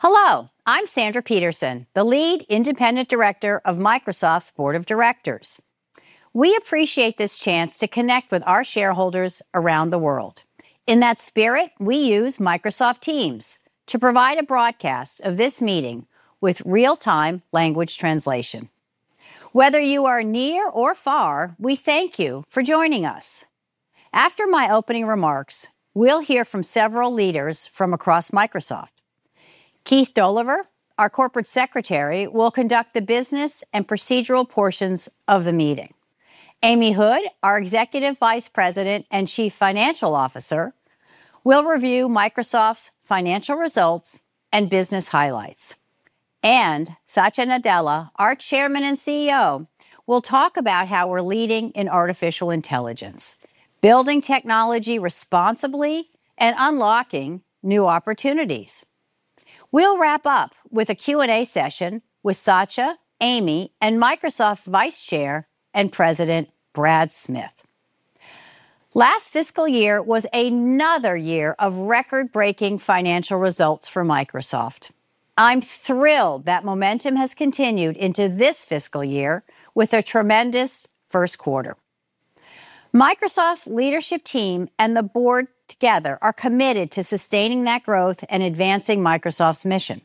Hello, I'm Sandra Peterson, the Lead Independent Director of Microsoft's Board of Directors. We appreciate this chance to connect with our shareholders around the world. In that spirit, we use Microsoft Teams to provide a broadcast of this meeting with real-time language translation. Whether you are near or far, we thank you for joining us. After my opening remarks, we'll hear from several leaders from across Microsoft. Keith Dolliver, our Corporate Secretary, will conduct the business and procedural portions of the meeting. Amy Hood, our Executive Vice President and Chief Financial Officer, will review Microsoft's financial results and business highlights. And Satya Nadella, our Chairman and CEO, will talk about how we're leading in artificial intelligence, building technology responsibly, and unlocking new opportunities. We'll wrap up with a Q&A session with Satya, Amy, and Microsoft Vice Chair and President Brad Smith. Last fiscal year was another year of record-breaking financial results for Microsoft. I'm thrilled that momentum has continued into this fiscal year with a tremendous first quarter. Microsoft's leadership team and the board together are committed to sustaining that growth and advancing Microsoft's mission.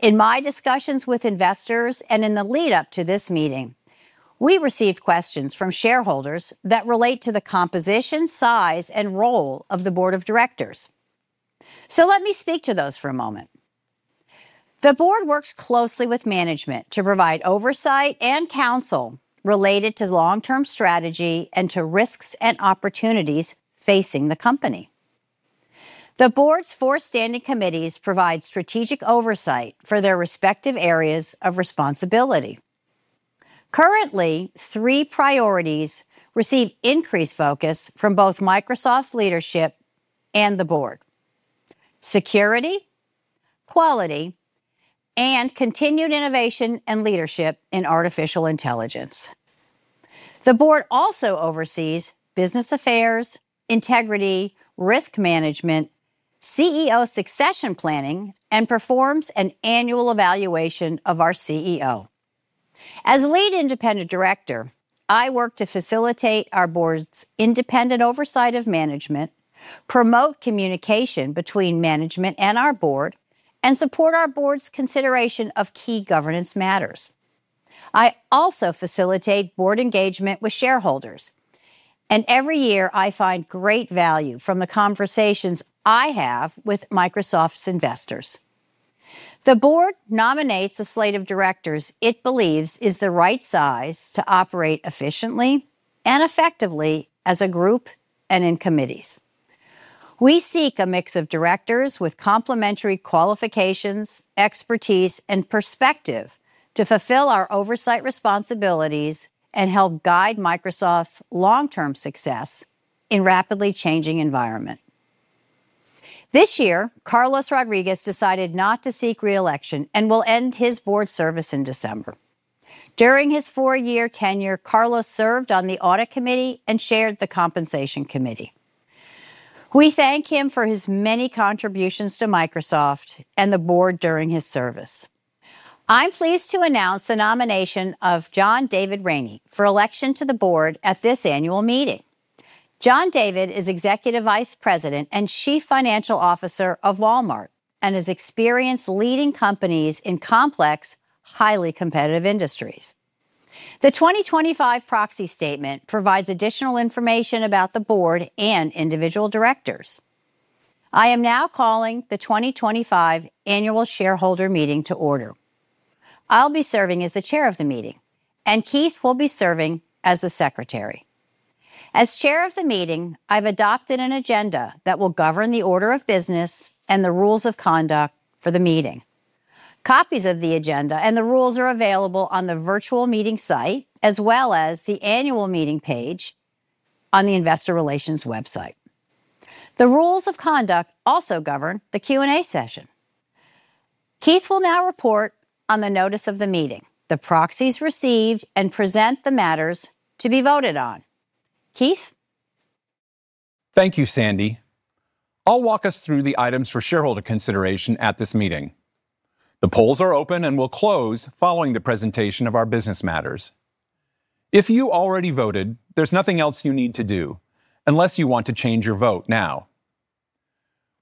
In my discussions with investors and in the lead-up to this meeting, we received questions from shareholders that relate to the composition, size, and role of the Board of Directors, so let me speak to those for a moment. The board works closely with management to provide oversight and counsel related to long-term strategy and to risks and opportunities facing the company. The board's four standing committees provide strategic oversight for their respective areas of responsibility. Currently, three priorities receive increased focus from both Microsoft's leadership and the board: security, quality, and continued innovation and leadership in artificial intelligence. The board also oversees business affairs, integrity, risk management, CEO succession planning, and performs an annual evaluation of our CEO. As Lead Independent Director, I work to facilitate our board's independent oversight of management, promote communication between management and our board, and support our board's consideration of key governance matters. I also facilitate board engagement with shareholders, and every year I find great value from the conversations I have with Microsoft's investors. The board nominates a slate of directors it believes is the right size to operate efficiently and effectively as a group and in committees. We seek a mix of directors with complementary qualifications, expertise, and perspective to fulfill our oversight responsibilities and help guide Microsoft's long-term success in a rapidly changing environment. This year, Carlos Rodriguez decided not to seek reelection and will end his board service in December. During his four-year tenure, Carlos served on the audit committee and chaired the compensation committee. We thank him for his many contributions to Microsoft and the board during his service. I'm pleased to announce the nomination of John David Rainey for election to the board at this annual meeting. John David is Executive Vice President and Chief Financial Officer of Walmart and has experienced leading companies in complex, highly competitive industries. The 2025 proxy statement provides additional information about the board and individual directors. I am now calling the 2025 annual shareholder meeting to order. I'll be serving as the chair of the meeting, and Keith will be serving as the secretary. As chair of the meeting, I've adopted an agenda that will govern the order of business and the rules of conduct for the meeting. Copies of the agenda and the rules are available on the virtual meeting site, as well as the annual meeting page on the investor relations website. The rules of conduct also govern the Q&A session. Keith will now report on the notice of the meeting, the proxies received, and present the matters to be voted on. Keith? Thank you, Sandy. I'll walk us through the items for shareholder consideration at this meeting. The polls are open and will close following the presentation of our business matters. If you already voted, there's nothing else you need to do unless you want to change your vote now.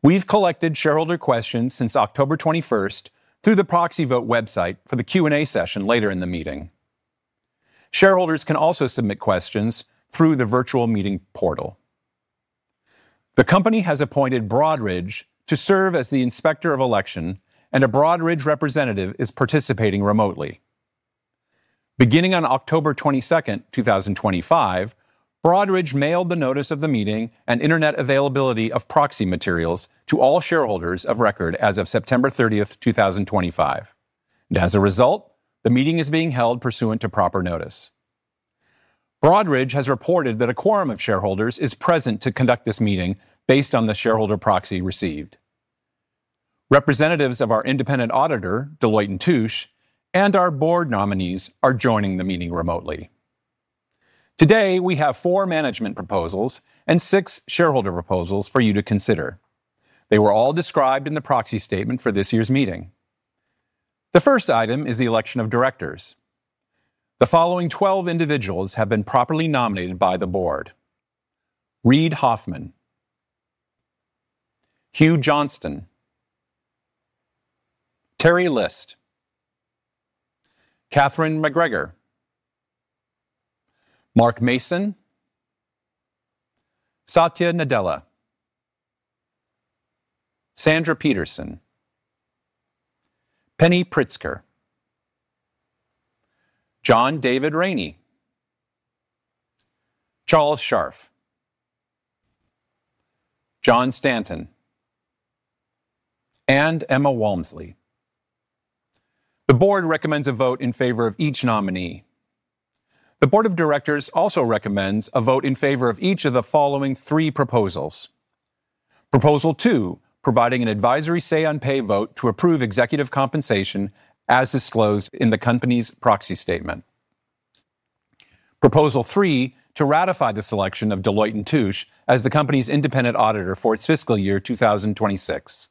We've collected shareholder questions since October 21st through the proxy vote website for the Q&A session later in the meeting. Shareholders can also submit questions through the virtual meeting portal. The company has appointed Broadridge to serve as the inspector of election, and a Broadridge representative is participating remotely. Beginning on October 22nd, 2025, Broadridge mailed the notice of the meeting and internet availability of proxy materials to all shareholders of record as of September 30th, 2025, and as a result, the meeting is being held pursuant to proper notice. Broadridge has reported that a quorum of shareholders is present to conduct this meeting based on the shareholder proxy received. Representatives of our independent auditor, Deloitte & Touche, and our board nominees are joining the meeting remotely. Today, we have four management proposals and six shareholder proposals for you to consider. They were all described in the proxy statement for this year's meeting. The first item is the election of directors. The following 12 individuals have been properly nominated by the board: Reid Hoffman, Hugh Johnston, Teri List, Catherine MacGregor, Mark Mason, Satya Nadella, Sandra Peterson, Penny Pritzker, John David Rainey, Charles Scharf, John Stanton, and Emma Walmsley. The board recommends a vote in favor of each nominee. The board of directors also recommends a vote in favor of each of the following three proposals: Proposal Two, providing an advisory say-on-pay vote to approve executive compensation as disclosed in the company's proxy statement. Proposal Three, to ratify the selection of Deloitte & Touche as the company's independent auditor for its fiscal year 2026.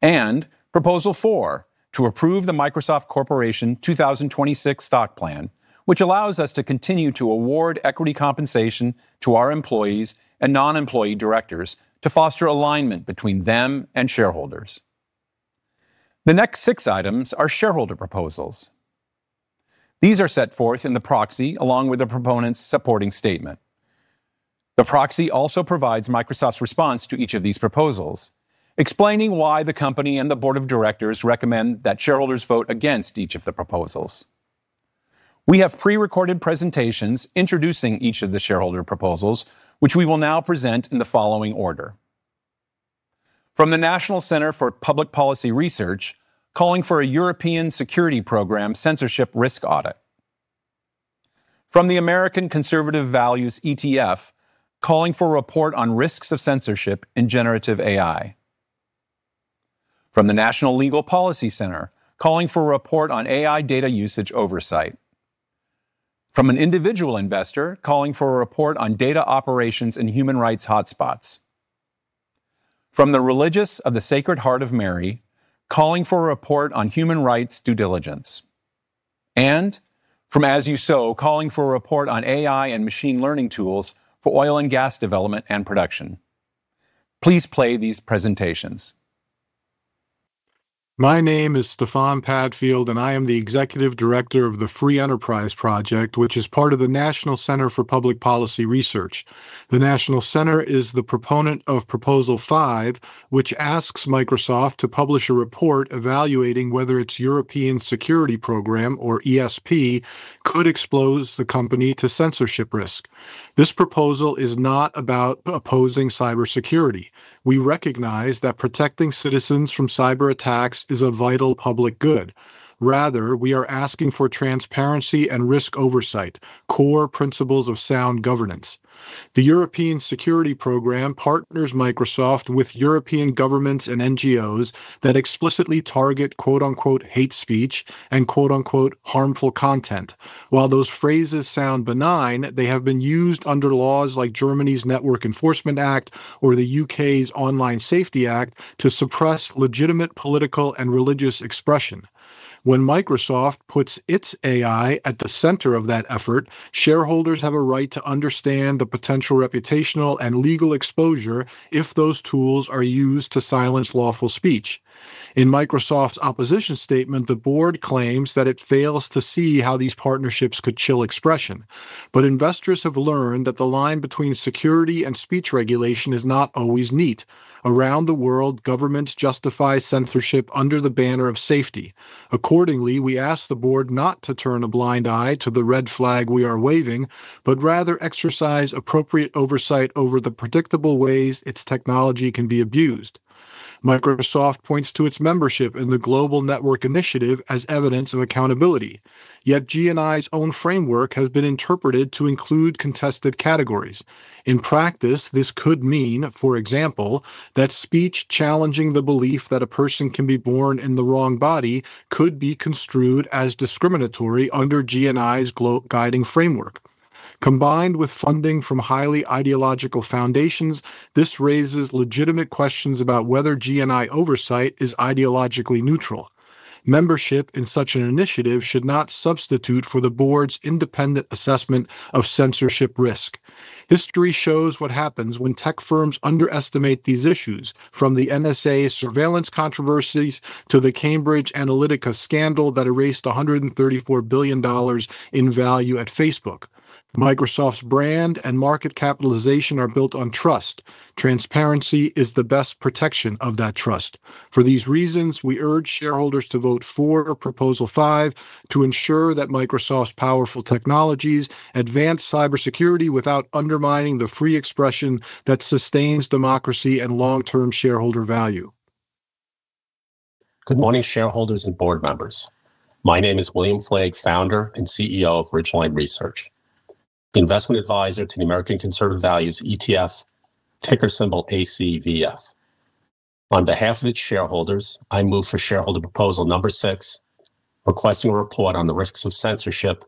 And Proposal Four, to approve the Microsoft Corporation 2026 stock plan, which allows us to continue to award equity compensation to our employees and non-employee directors to foster alignment between them and shareholders. The next six items are shareholder proposals. These are set forth in the proxy along with the proponent's supporting statement. The proxy also provides Microsoft's response to each of these proposals, explaining why the company and the board of directors recommend that shareholders vote against each of the proposals. We have pre-recorded presentations introducing each of the shareholder proposals, which we will now present in the following order: From the National Center for Public Policy Research, calling for a European Security Program Censorship Risk Audit. From the American Conservative Values ETF, calling for a report on risks of censorship in generative AI. From the National Legal and Policy Center, calling for a report on AI data usage oversight. From an individual investor, calling for a report on data operations in human rights hotspots. From the Religious of the Sacred Heart of Mary, calling for a report on human rights due diligence. And from, as you saw, calling for a report on AI and machine learning tools for oil and gas development and production. Please play these presentations. My name is Stefan Padfield, and I am the executive director of the Free Enterprise Project, which is part of the National Center for Public Policy Research. The National Center is the proponent of Proposal Five, which asks Microsoft to publish a report evaluating whether its European Security Program, or ESP, could expose the company to censorship risk. This proposal is not about opposing cybersecurity. We recognize that protecting citizens from cyberattacks is a vital public good. Rather, we are asking for transparency and risk oversight, core principles of sound governance. The European Security Program partners Microsoft with European governments and NGOs that explicitly target "hate speech" and "harmful content." While those phrases sound benign, they have been used under laws like Germany's Network Enforcement Act or the U.K.'s Online Safety Act to suppress legitimate political and religious expression. When Microsoft puts its AI at the center of that effort, shareholders have a right to understand the potential reputational and legal exposure if those tools are used to silence lawful speech. In Microsoft's opposition statement, the board claims that it fails to see how these partnerships could chill expression. But investors have learned that the line between security and speech regulation is not always neat. Around the world, governments justify censorship under the banner of safety. Accordingly, we ask the board not to turn a blind eye to the red flag we are waving, but rather exercise appropriate oversight over the predictable ways its technology can be abused. Microsoft points to its membership in the Global Network Initiative as evidence of accountability. Yet GNI's own framework has been interpreted to include contested categories. In practice, this could mean, for example, that speech challenging the belief that a person can be born in the wrong body could be construed as discriminatory under GNI's guiding framework. Combined with funding from highly ideological foundations, this raises legitimate questions about whether GNI oversight is ideologically neutral. Membership in such an initiative should not substitute for the board's independent assessment of censorship risk. History shows what happens when tech firms underestimate these issues, from the NSA surveillance controversies to the Cambridge Analytica scandal that erased $134 billion in value at Facebook. Microsoft's brand and market capitalization are built on trust. Transparency is the best protection of that trust. For these reasons, we urge shareholders to vote for Proposal Five to ensure that Microsoft's powerful technologies advance cybersecurity without undermining the free expression that sustains democracy and long-term shareholder value. Good morning, shareholders and board members. My name is William Flaig, founder and CEO of Ridgeline Research, investment advisor to the American Conservative Values ETF, ticker symbol ACVF. On behalf of its shareholders, I move for shareholder Proposal number Six, requesting a report on the risks of censorship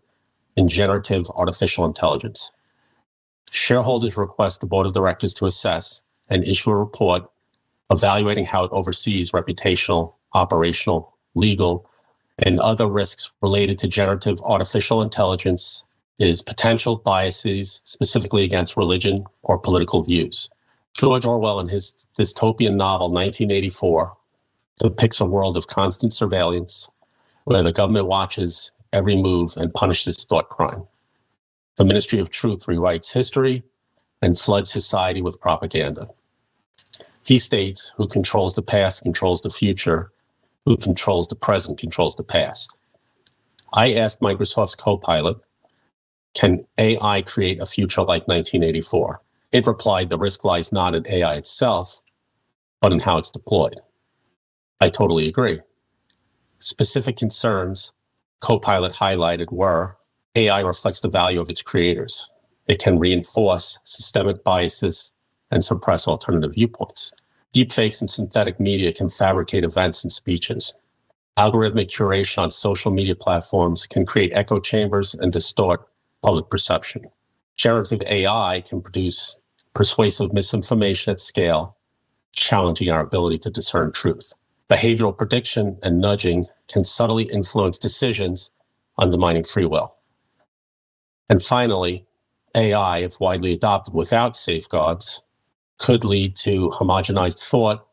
in generative artificial intelligence. Shareholders request the board of directors to assess and issue a report evaluating how it oversees reputational, operational, legal, and other risks related to generative artificial intelligence, its potential biases specifically against religion or political views. George Orwell, in his dystopian novel 1984, depicts a world of constant surveillance where the government watches every move and punishes thought crime. The Ministry of Truth rewrites history and floods society with propaganda. He states, "Who controls the past controls the future. Who controls the present controls the past." I asked Microsoft's Copilot, "Can AI create a future like 1984?" It replied, "The risk lies not in AI itself, but in how it's deployed." I totally agree. Specific concerns Copilot highlighted were AI reflects the value of its creators. It can reinforce systemic biases and suppress alternative viewpoints. Deepfakes and synthetic media can fabricate events and speeches. Algorithmic curation on social media platforms can create echo chambers and distort public perception. Generative AI can produce persuasive misinformation at scale, challenging our ability to discern truth. Behavioral prediction and nudging can subtly influence decisions, undermining free will. And finally, AI, if widely adopted without safeguards, could lead to homogenized thought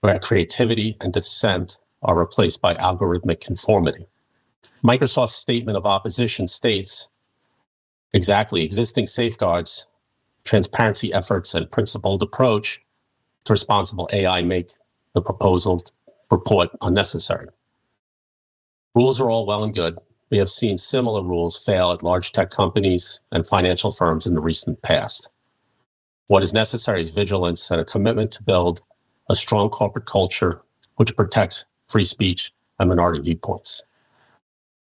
where creativity and dissent are replaced by algorithmic conformity. Microsoft's statement of opposition states, "Our existing safeguards, transparency efforts, and a principled approach to responsible AI make the proposal report unnecessary." Rules are all well and good. We have seen similar rules fail at large tech companies and financial firms in the recent past. What is necessary is vigilance and a commitment to build a strong corporate culture which protects free speech and minority viewpoints.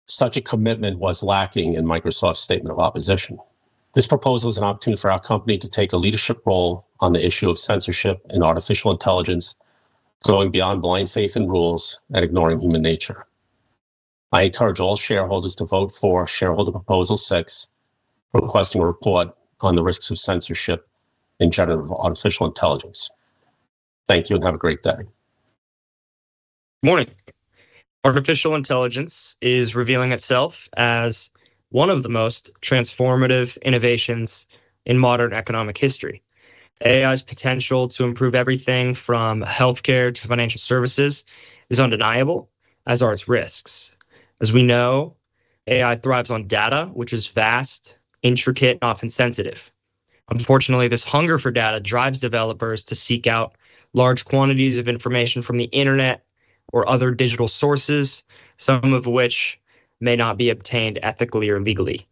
Such a commitment was lacking in Microsoft's statement of opposition. This proposal is an opportunity for our company to take a leadership role on the issue of censorship in artificial intelligence, going beyond blind faith in rules and ignoring human nature. I encourage all shareholders to vote for shareholder Proposal Six, requesting a report on the risks of censorship in generative artificial intelligence. Thank you and have a great day. Good morning. Artificial intelligence is revealing itself as one of the most transformative innovations in modern economic history. AI's potential to improve everything from healthcare to financial services is undeniable, as are its risks. As we know, AI thrives on data, which is vast, intricate, and often sensitive. Unfortunately, this hunger for data drives developers to seek out large quantities of information from the internet or other digital sources, some of which may not be obtained ethically or legally.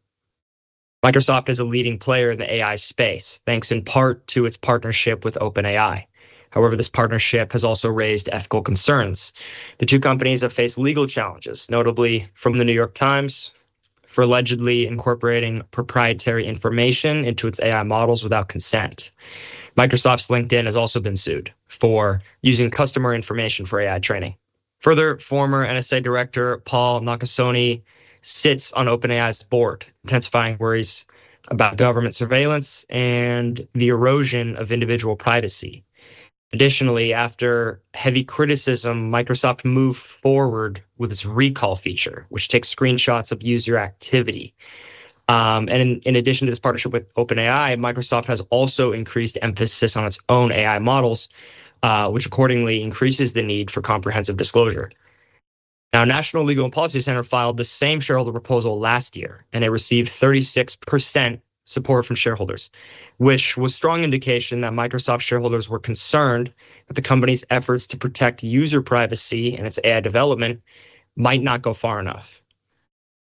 Microsoft is a leading player in the AI space, thanks in part to its partnership with OpenAI. However, this partnership has also raised ethical concerns. The two companies have faced legal challenges, notably from The New York Times for allegedly incorporating proprietary information into its AI models without consent. Microsoft's LinkedIn has also been sued for using customer information for AI training. Further, former NSA Director Paul Nakasone sits on OpenAI's board, intensifying worries about government surveillance and the erosion of individual privacy. Additionally, after heavy criticism, Microsoft moved forward with its Recall feature, which takes screenshots of user activity. In addition to this partnership with OpenAI, Microsoft has also increased emphasis on its own AI models, which accordingly increases the need for comprehensive disclosure. Now, National Legal and Policy Center filed the same shareholder proposal last year, and they received 36% support from shareholders, which was a strong indication that Microsoft shareholders were concerned that the company's efforts to protect user privacy and its AI development might not go far enough.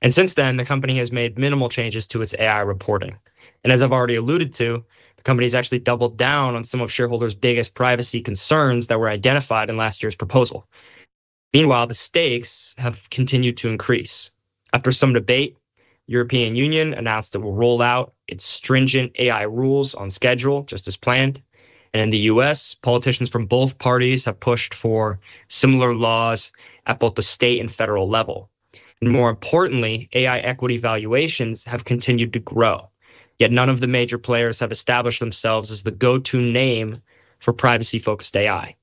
Since then, the company has made minimal changes to its AI reporting. As I've already alluded to, the company has actually doubled down on some of shareholders' biggest privacy concerns that were identified in last year's proposal. Meanwhile, the stakes have continued to increase. After some debate, the European Union announced it will roll out its stringent AI rules on schedule, just as planned. In the U.S., politicians from both parties have pushed for similar laws at both the state and federal level. More importantly, AI equity valuations have continued to grow. Yet none of the major players have established themselves as the go-to name for privacy-focused AI.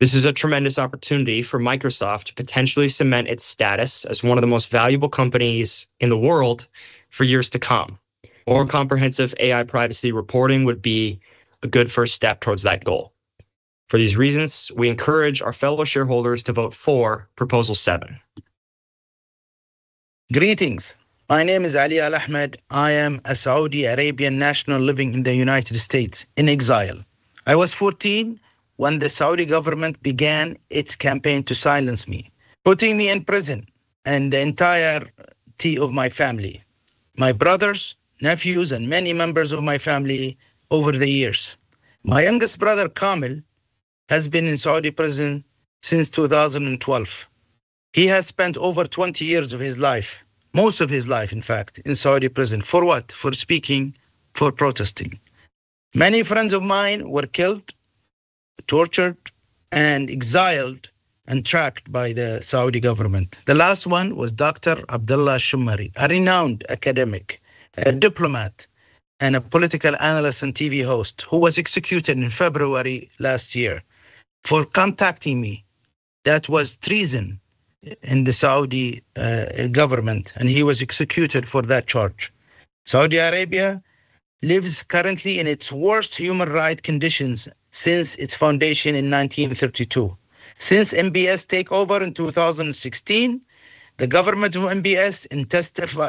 This is a tremendous opportunity for Microsoft to potentially cement its status as one of the most valuable companies in the world for years to come. More comprehensive AI privacy reporting would be a good first step towards that goal. For these reasons, we encourage our fellow shareholders to vote for Proposal Seven. Greetings. My name is Ali Alhamed. I am a Saudi Arabian national living in the United States in exile. I was 14 when the Saudi government began its campaign to silence me, putting me in prison and the entirety of my family, my brothers, nephews, and many members of my family over the years. My youngest brother, Kamal, has been in Saudi prison since 2012. He has spent over 20 years of his life, most of his life, in fact, in Saudi prison. For what? For speaking, for protesting. Many friends of mine were killed, tortured, and exiled and tracked by the Saudi government. The last one was Dr. Abdullah al-Shammari, a renowned academic, a diplomat, and a political analyst and TV host who was executed in February last year for contacting me. That was treason in the Saudi government, and he was executed for that charge. Saudi Arabia lives currently in its worst human rights conditions since its foundation in 1932. Since MBS takeover in 2016, the government of MBS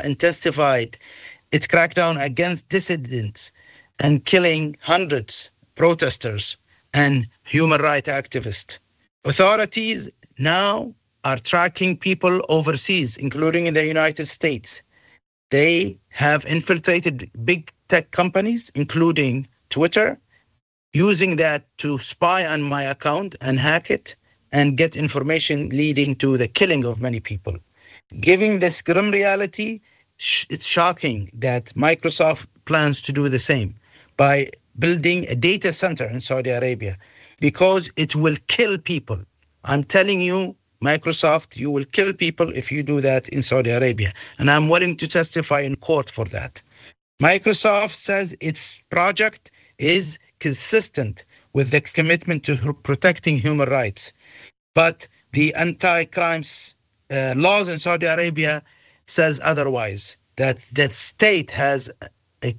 intensified its crackdown against dissidents and killing hundreds of protesters and human rights activists. Authorities now are tracking people overseas, including in the United States. They have infiltrated big tech companies, including Twitter, using that to spy on my account and hack it and get information leading to the killing of many people. Given this grim reality, it's shocking that Microsoft plans to do the same by building a data center in Saudi Arabia because it will kill people. I'm telling you, Microsoft, you will kill people if you do that in Saudi Arabia. I'm willing to testify in court for that. Microsoft says its project is consistent with the commitment to protecting human rights. But the anti-crime laws in Saudi Arabia say otherwise, that the state has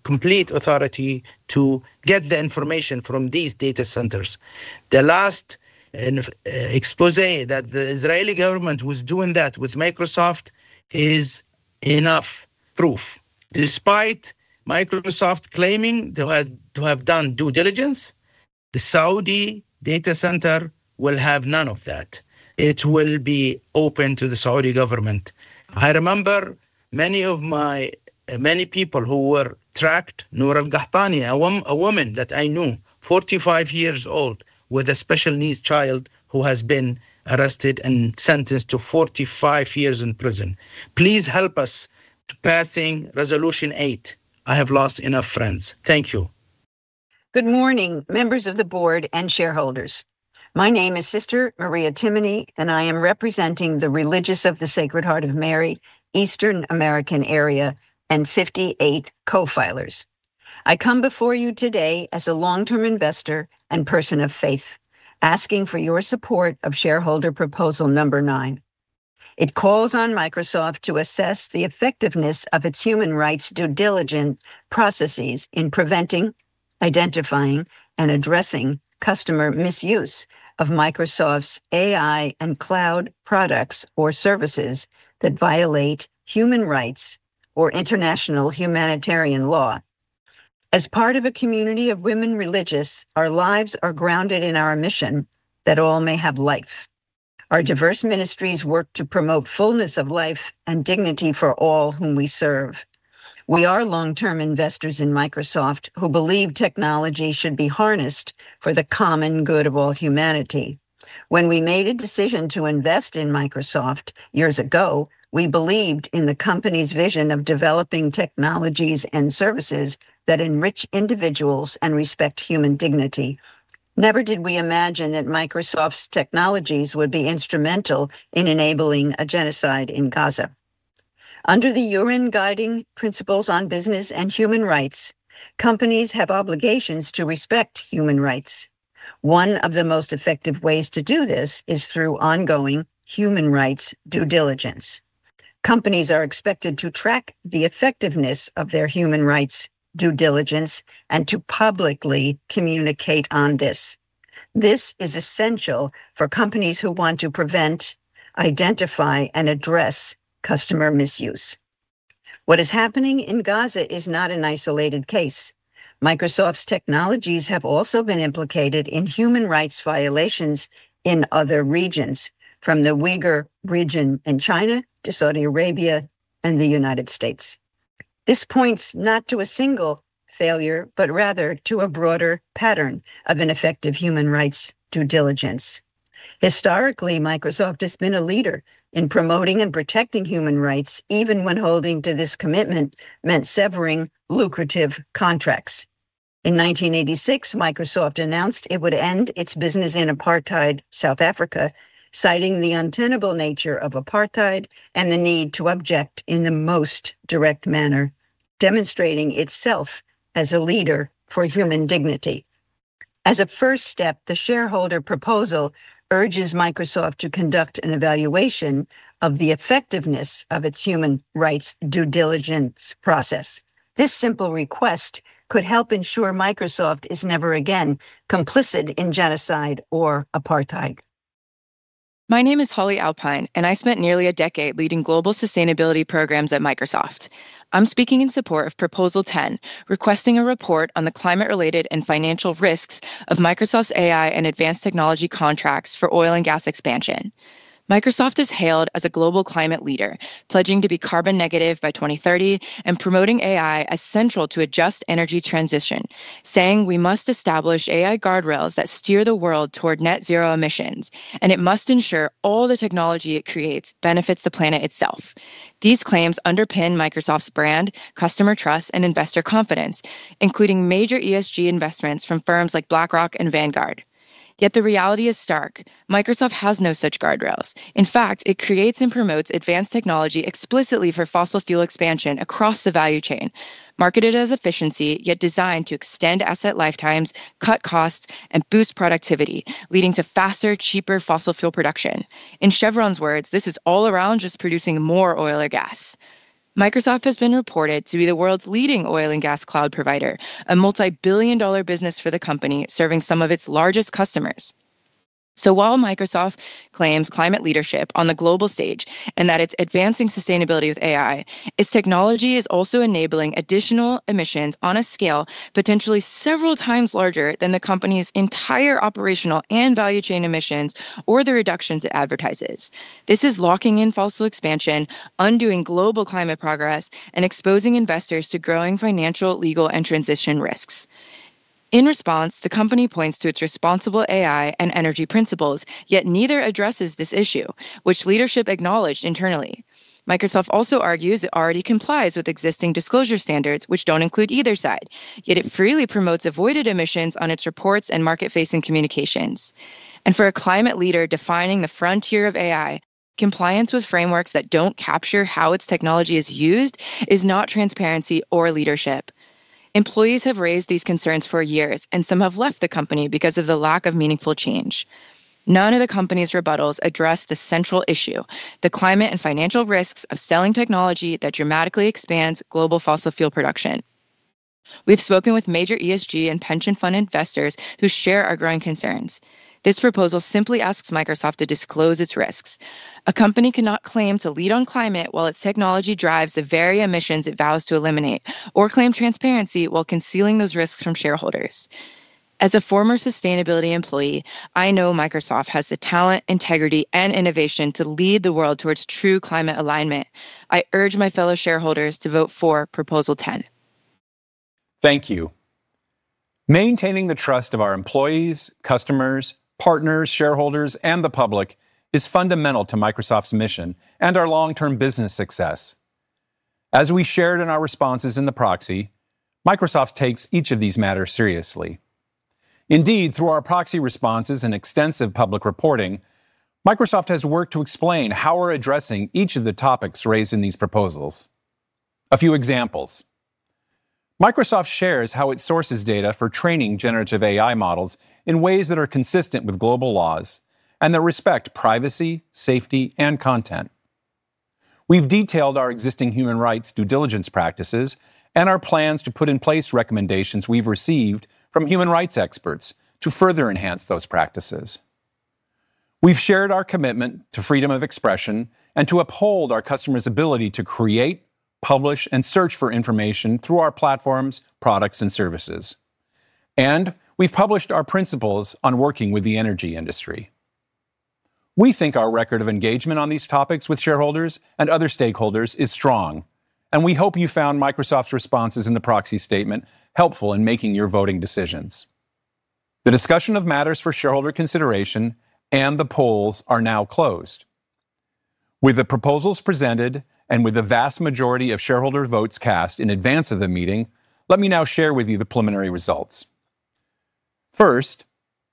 complete authority to get the information from these data centers. The last exposé that the Israeli government was doing that with Microsoft is enough proof. Despite Microsoft claiming to have done due diligence, the Saudi data center will have none of that. It will be open to the Saudi government. I remember many of my people who were tracked, Nourah al-Qahtani, a woman that I knew, 45 years old, with a special needs child who has been arrested and sentenced to 45 years in prison. Please help us passing Resolution Eight. I have lost enough friends. Thank you. Good morning, members of the board and shareholders. My name is Sister Maria Timoney, and I am representing the Religious of the Sacred Heart of Mary, Eastern American Area, and 58 co-filers. I come before you today as a long-term investor and person of faith, asking for your support of shareholder Proposal number nine. It calls on Microsoft to assess the effectiveness of its human rights due diligence processes in preventing, identifying, and addressing customer misuse of Microsoft's AI and cloud products or services that violate human rights or international humanitarian law. As part of a community of women religious, our lives are grounded in our mission that all may have life. Our diverse ministries work to promote fullness of life and dignity for all whom we serve. We are long-term investors in Microsoft who believe technology should be harnessed for the common good of all humanity. When we made a decision to invest in Microsoft years ago, we believed in the company's vision of developing technologies and services that enrich individuals and respect human dignity. Never did we imagine that Microsoft's technologies would be instrumental in enabling a genocide in Gaza. Under the UN Guiding Principles on Business and Human Rights, companies have obligations to respect human rights. One of the most effective ways to do this is through ongoing human rights due diligence. Companies are expected to track the effectiveness of their human rights due diligence and to publicly communicate on this. This is essential for companies who want to prevent, identify, and address customer misuse. What is happening in Gaza is not an isolated case. Microsoft's technologies have also been implicated in human rights violations in other regions, from the Uyghur region in China to Saudi Arabia and the United States. This points not to a single failure, but rather to a broader pattern of ineffective human rights due diligence. Historically, Microsoft has been a leader in promoting and protecting human rights, even when holding to this commitment meant severing lucrative contracts. In 1986, Microsoft announced it would end its business in apartheid South Africa, citing the untenable nature of apartheid and the need to object in the most direct manner, demonstrating itself as a leader for human dignity. As a first step, the shareholder proposal urges Microsoft to conduct an evaluation of the effectiveness of its human rights due diligence process. This simple request could help ensure Microsoft is never again complicit in genocide or apartheid. My name is Holly Alpine, and I spent nearly a decade leading global sustainability programs at Microsoft. I'm speaking in support of Proposal 10, requesting a report on the climate-related and financial risks of Microsoft's AI and advanced technology contracts for oil and gas expansion. Microsoft is hailed as a global climate leader, pledging to be carbon negative by 2030 and promoting AI as central to a just energy transition, saying we must establish AI guardrails that steer the world toward net zero emissions, and it must ensure all the technology it creates benefits the planet itself. These claims underpin Microsoft's brand, customer trust, and investor confidence, including major ESG investments from firms like BlackRock and Vanguard. Yet the reality is stark. Microsoft has no such guardrails. In fact, it creates and promotes advanced technology explicitly for fossil fuel expansion across the value chain, marketed as efficiency, yet designed to extend asset lifetimes, cut costs, and boost productivity, leading to faster, cheaper fossil fuel production. In Chevron's words, this is all around just producing more oil or gas. Microsoft has been reported to be the world's leading oil and gas cloud provider, a multi-billion dollar business for the company serving some of its largest customers. So while Microsoft claims climate leadership on the global stage and that it's advancing sustainability with AI, its technology is also enabling additional emissions on a scale potentially several times larger than the company's entire operational and value chain emissions or the reductions it advertises. This is locking in fossil expansion, undoing global climate progress, and exposing investors to growing financial, legal, and transition risks. In response, the company points to its Responsible AI and energy principles, yet neither addresses this issue, which leadership acknowledged internally. Microsoft also argues it already complies with existing disclosure standards, which don't include either side. Yet it freely promotes avoided emissions on its reports and market-facing communications. And for a climate leader defining the frontier of AI, compliance with frameworks that don't capture how its technology is used is not transparency or leadership. Employees have raised these concerns for years, and some have left the company because of the lack of meaningful change. None of the company's rebuttals address the central issue, the climate and financial risks of selling technology that dramatically expands global fossil fuel production. We've spoken with major ESG and pension fund investors who share our growing concerns. This proposal simply asks Microsoft to disclose its risks. A company cannot claim to lead on climate while its technology drives the very emissions it vows to eliminate, or claim transparency while concealing those risks from shareholders. As a former sustainability employee, I know Microsoft has the talent, integrity, and innovation to lead the world towards true climate alignment. I urge my fellow shareholders to vote for Proposal 10. Thank you. Maintaining the trust of our employees, customers, partners, shareholders, and the public is fundamental to Microsoft's mission and our long-term business success. As we shared in our responses in the proxy, Microsoft takes each of these matters seriously. Indeed, through our proxy responses and extensive public reporting, Microsoft has worked to explain how we're addressing each of the topics raised in these proposals. A few examples. Microsoft shares how it sources data for training Generative AI models in ways that are consistent with global laws and that respect privacy, safety, and content. We've detailed our existing Human Rights Due Diligence practices and our plans to put in place recommendations we've received from human rights experts to further enhance those practices. We've shared our commitment to freedom of expression and to uphold our customers' ability to create, publish, and search for information through our platforms, products, and services. And we've published our principles on working with the energy industry. We think our record of engagement on these topics with shareholders and other stakeholders is strong, and we hope you found Microsoft's responses in the proxy statement helpful in making your voting decisions. The discussion of matters for shareholder consideration and the polls are now closed. With the proposals presented and with the vast majority of shareholder votes cast in advance of the meeting, let me now share with you the preliminary results. First,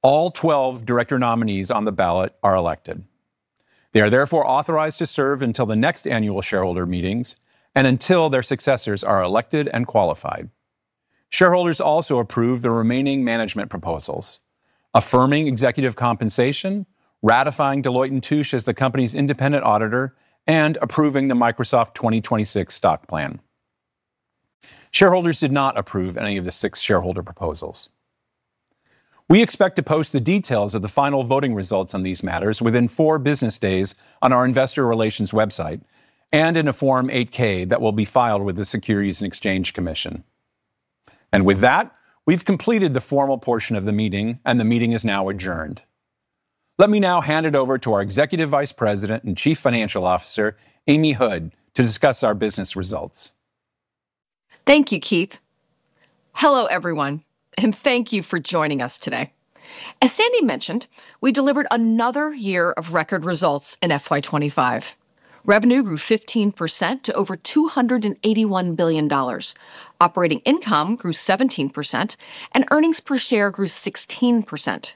all 12 director nominees on the ballot are elected. They are therefore authorized to serve until the next annual shareholder meetings and until their successors are elected and qualified. Shareholders also approved the remaining management proposals, affirming executive compensation, ratifying Deloitte & Touche as the company's independent auditor, and approving the Microsoft 2026 stock plan. Shareholders did not approve any of the six shareholder proposals. We expect to post the details of the final voting results on these matters within four business days on our investor relations website and in a Form 8-K that will be filed with the Securities and Exchange Commission, and with that, we've completed the formal portion of the meeting, and the meeting is now adjourned. Let me now hand it over to our Executive Vice President and Chief Financial Officer, Amy Hood, to discuss our business results. Thank you, Keith. Hello, everyone, and thank you for joining us today. As Sandy mentioned, we delivered another year of record results in FY25. Revenue grew 15% to over $281 billion. Operating income grew 17%, and earnings per share grew 16%.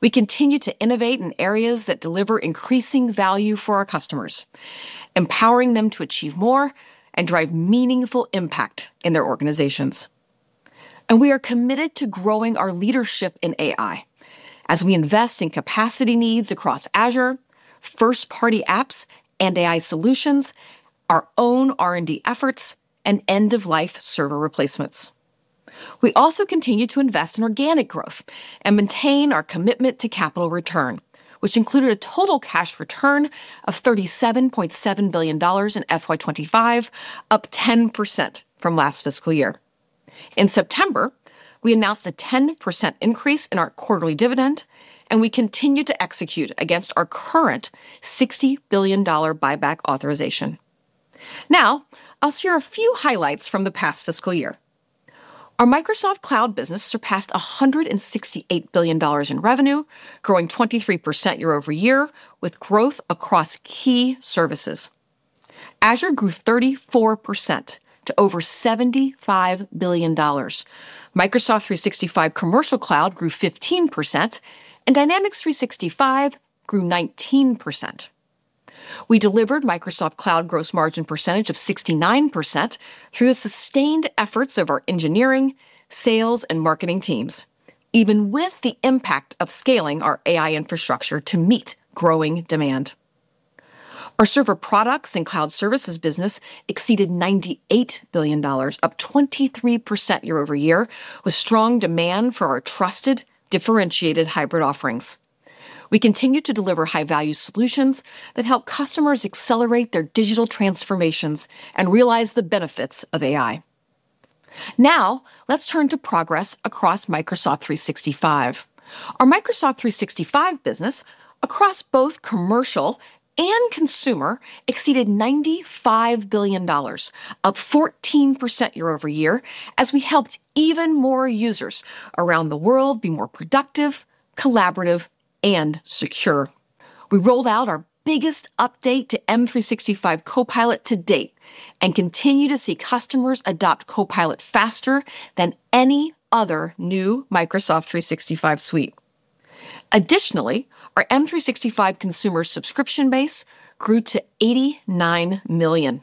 We continue to innovate in areas that deliver increasing value for our customers, empowering them to achieve more and drive meaningful impact in their organizations, and we are committed to growing our leadership in AI as we invest in capacity needs across Azure, first-party apps and AI solutions, our own R&D efforts, and end-of-life server replacements. We also continue to invest in organic growth and maintain our commitment to capital return, which included a total cash return of $37.7 billion in FY25, up 10% from last fiscal year. In September, we announced a 10% increase in our quarterly dividend, and we continue to execute against our current $60 billion buyback authorization. Now, I'll share a few highlights from the past fiscal year. Our Microsoft Cloud business surpassed $168 billion in revenue, growing 23% year over year with growth across key services. Azure grew 34% to over $75 billion. Microsoft 365 Commercial Cloud grew 15%, and Dynamics 365 grew 19%. We delivered Microsoft Cloud gross margin percentage of 69% through the sustained efforts of our engineering, sales, and marketing teams, even with the impact of scaling our AI infrastructure to meet growing demand. Our server products and cloud services business exceeded $98 billion, up 23% year over year, with strong demand for our trusted, differentiated hybrid offerings. We continue to deliver high-value solutions that help customers accelerate their digital transformations and realize the benefits of AI. Now, let's turn to progress across Microsoft 365. Our Microsoft 365 business across both commercial and consumer exceeded $95 billion, up 14% year over year, as we helped even more users around the world be more productive, collaborative, and secure. We rolled out our biggest update to M365 Copilot to date and continue to see customers adopt Copilot faster than any other new Microsoft 365 suite. Additionally, our M365 consumer subscription base grew to 89 million.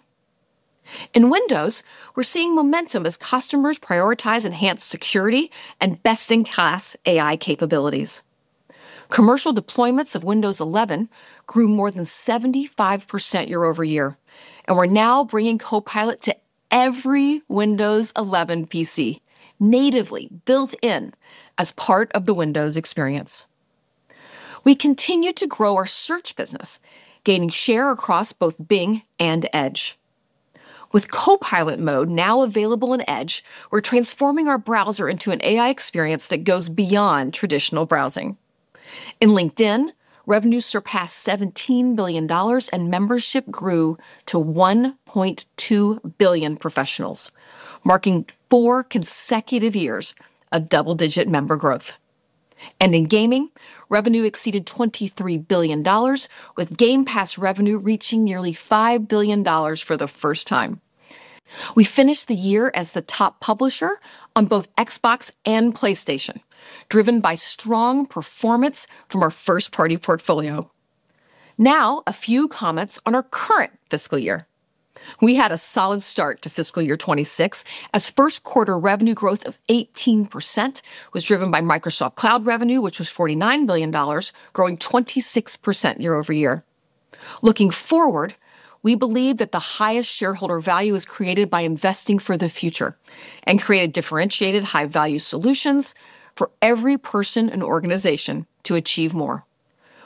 In Windows, we're seeing momentum as customers prioritize enhanced security and best-in-class AI capabilities. Commercial deployments of Windows 11 grew more than 75% year over year, and we're now bringing Copilot to every Windows 11 PC natively built in as part of the Windows experience. We continue to grow our search business, gaining share across both Bing and Edge. With Copilot mode now available in Edge, we're transforming our browser into an AI experience that goes beyond traditional browsing. In LinkedIn, revenue surpassed $17 billion, and membership grew to 1.2 billion professionals, marking four consecutive years of double-digit member growth, and in gaming, revenue exceeded $23 billion, with Game Pass revenue reaching nearly $5 billion for the first time. We finished the year as the top publisher on both Xbox and PlayStation, driven by strong performance from our first-party portfolio. Now, a few comments on our current fiscal year. We had a solid start to fiscal year 26, as first-quarter revenue growth of 18% was driven by Microsoft Cloud revenue, which was $49 million, growing 26% year over year. Looking forward, we believe that the highest shareholder value is created by investing for the future and creating differentiated high-value solutions for every person and organization to achieve more.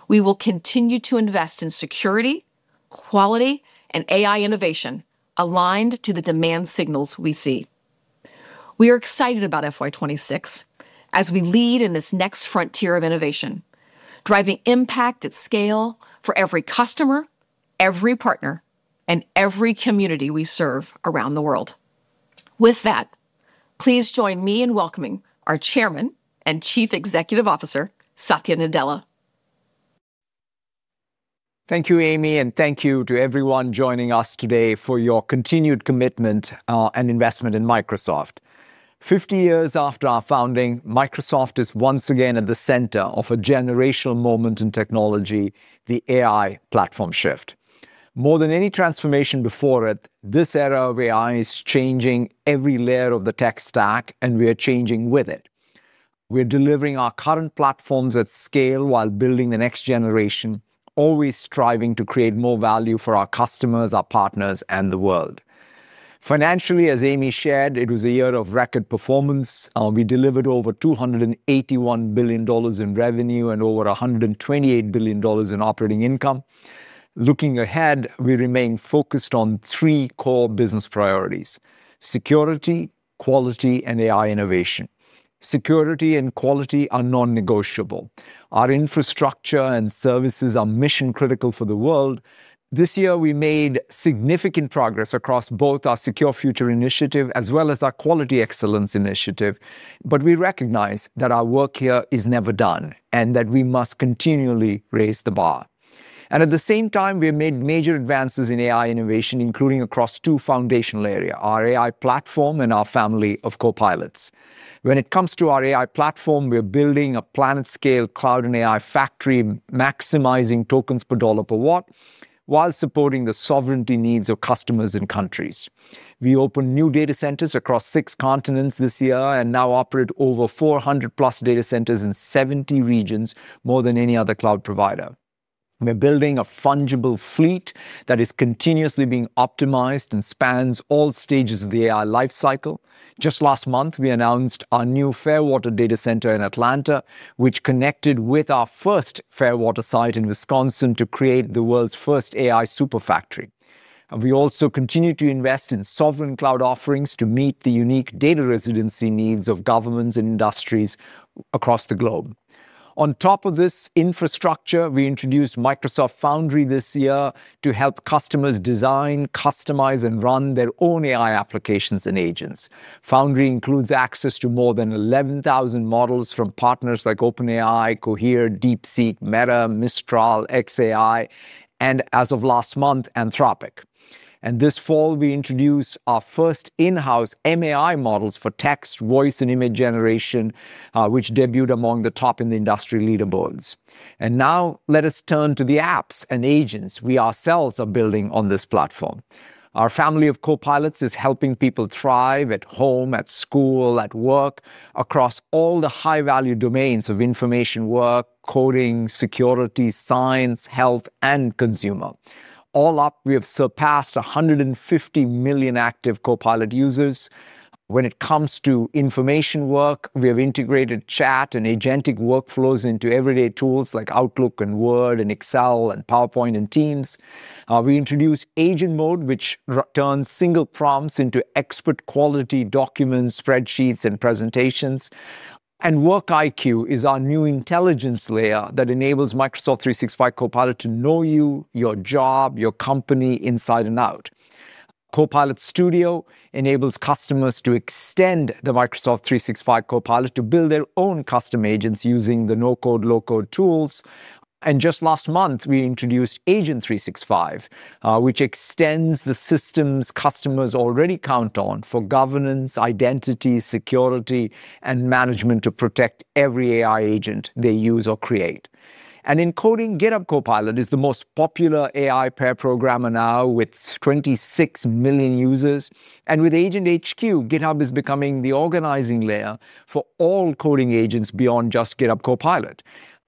We will continue to invest in security, quality, and AI innovation aligned to the demand signals we see. We are excited about FY26 as we lead in this next frontier of innovation, driving impact at scale for every customer, every partner, and every community we serve around the world. With that, please join me in welcoming our Chairman and Chief Executive Officer, Satya Nadella. Thank you, Amy, and thank you to everyone joining us today for your continued commitment and investment in Microsoft. Fifty years after our founding, Microsoft is once again at the center of a generational moment in technology, the AI platform shift. More than any transformation before it, this era of AI is changing every layer of the tech stack, and we are changing with it. We're delivering our current platforms at scale while building the next generation, always striving to create more value for our customers, our partners, and the world. Financially, as Amy shared, it was a year of record performance. We delivered over $281 billion in revenue and over $128 billion in operating income. Looking ahead, we remain focused on three core business priorities: security, quality, and AI innovation. Security and quality are non-negotiable. Our infrastructure and services are mission-critical for the world. This year, we made significant progress across both our Secure Future Initiative as well as our Quality Excellence Initiative, but we recognize that our work here is never done and that we must continually raise the bar, and at the same time, we have made major advances in AI innovation, including across two foundational areas: our AI platform and our family of Copilots. When it comes to our AI platform, we're building a planet-scale cloud and AI factory, maximizing tokens per dollar per watt while supporting the sovereignty needs of customers and countries. We opened new data centers across six continents this year and now operate over 400-plus data centers in 70 regions, more than any other cloud provider. We're building a fungible fleet that is continuously being optimized and spans all stages of the AI lifecycle. Just last month, we announced our new Fairwater data center in Atlanta, which connected with our first Fairwater site in Wisconsin to create the world's first AI superfactory. We also continue to invest in sovereign cloud offerings to meet the unique data residency needs of governments and industries across the globe. On top of this infrastructure, we introduced Microsoft Foundry this year to help customers design, customize, and run their own AI applications and agents. Foundry includes access to more than 11,000 models from partners like OpenAI, Cohere, DeepSeek, Meta, Mistral, xAI, and as of last month, Anthropic. And this fall, we introduced our first in-house MAI models for text, voice, and image generation, which debuted among the top in the industry leaderboards. And now, let us turn to the apps and agents we ourselves are building on this platform. Our family of Copilots is helping people thrive at home, at school, at work, across all the high-value domains of information work, coding, security, science, health, and consumer. All up, we have surpassed 150 million active Copilot users. When it comes to information work, we have integrated chat and agentic workflows into everyday tools like Outlook and Word and Excel and PowerPoint and Teams. We introduced Agent Mode, which turns single prompts into expert-quality documents, spreadsheets, and presentations. And WorkIQ is our new intelligence layer that enables Microsoft 365 Copilot to know you, your job, your company inside and out. Copilot Studio enables customers to extend the Microsoft 365 Copilot to build their own custom agents using the no-code, low-code tools. And just last month, we introduced Agent 365, which extends the systems customers already count on for governance, identity, security, and management to protect every AI agent they use or create. And in coding, GitHub Copilot is the most popular AI pair programmer now with 26 million users. And with Agent HQ, GitHub is becoming the organizing layer for all coding agents beyond just GitHub Copilot.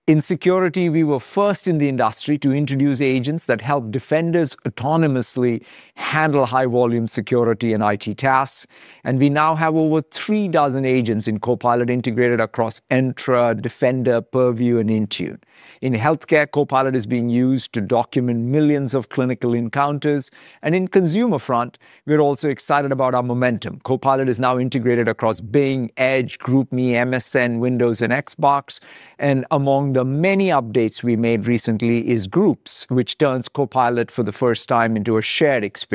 In security, we were first in the industry to introduce agents that help defenders autonomously handle high-volume security and IT tasks. And we now have over three dozen agents in Copilot integrated across Entra, Defender, Purview, and Intune. In healthcare, Copilot is being used to document millions of clinical encounters. And in the consumer front, we're also excited about our momentum. Copilot is now integrated across Bing, Edge, GroupMe, MSN, Windows, and Xbox. And among the many updates we made recently is Groups, which turns Copilot for the first time into a shared experience.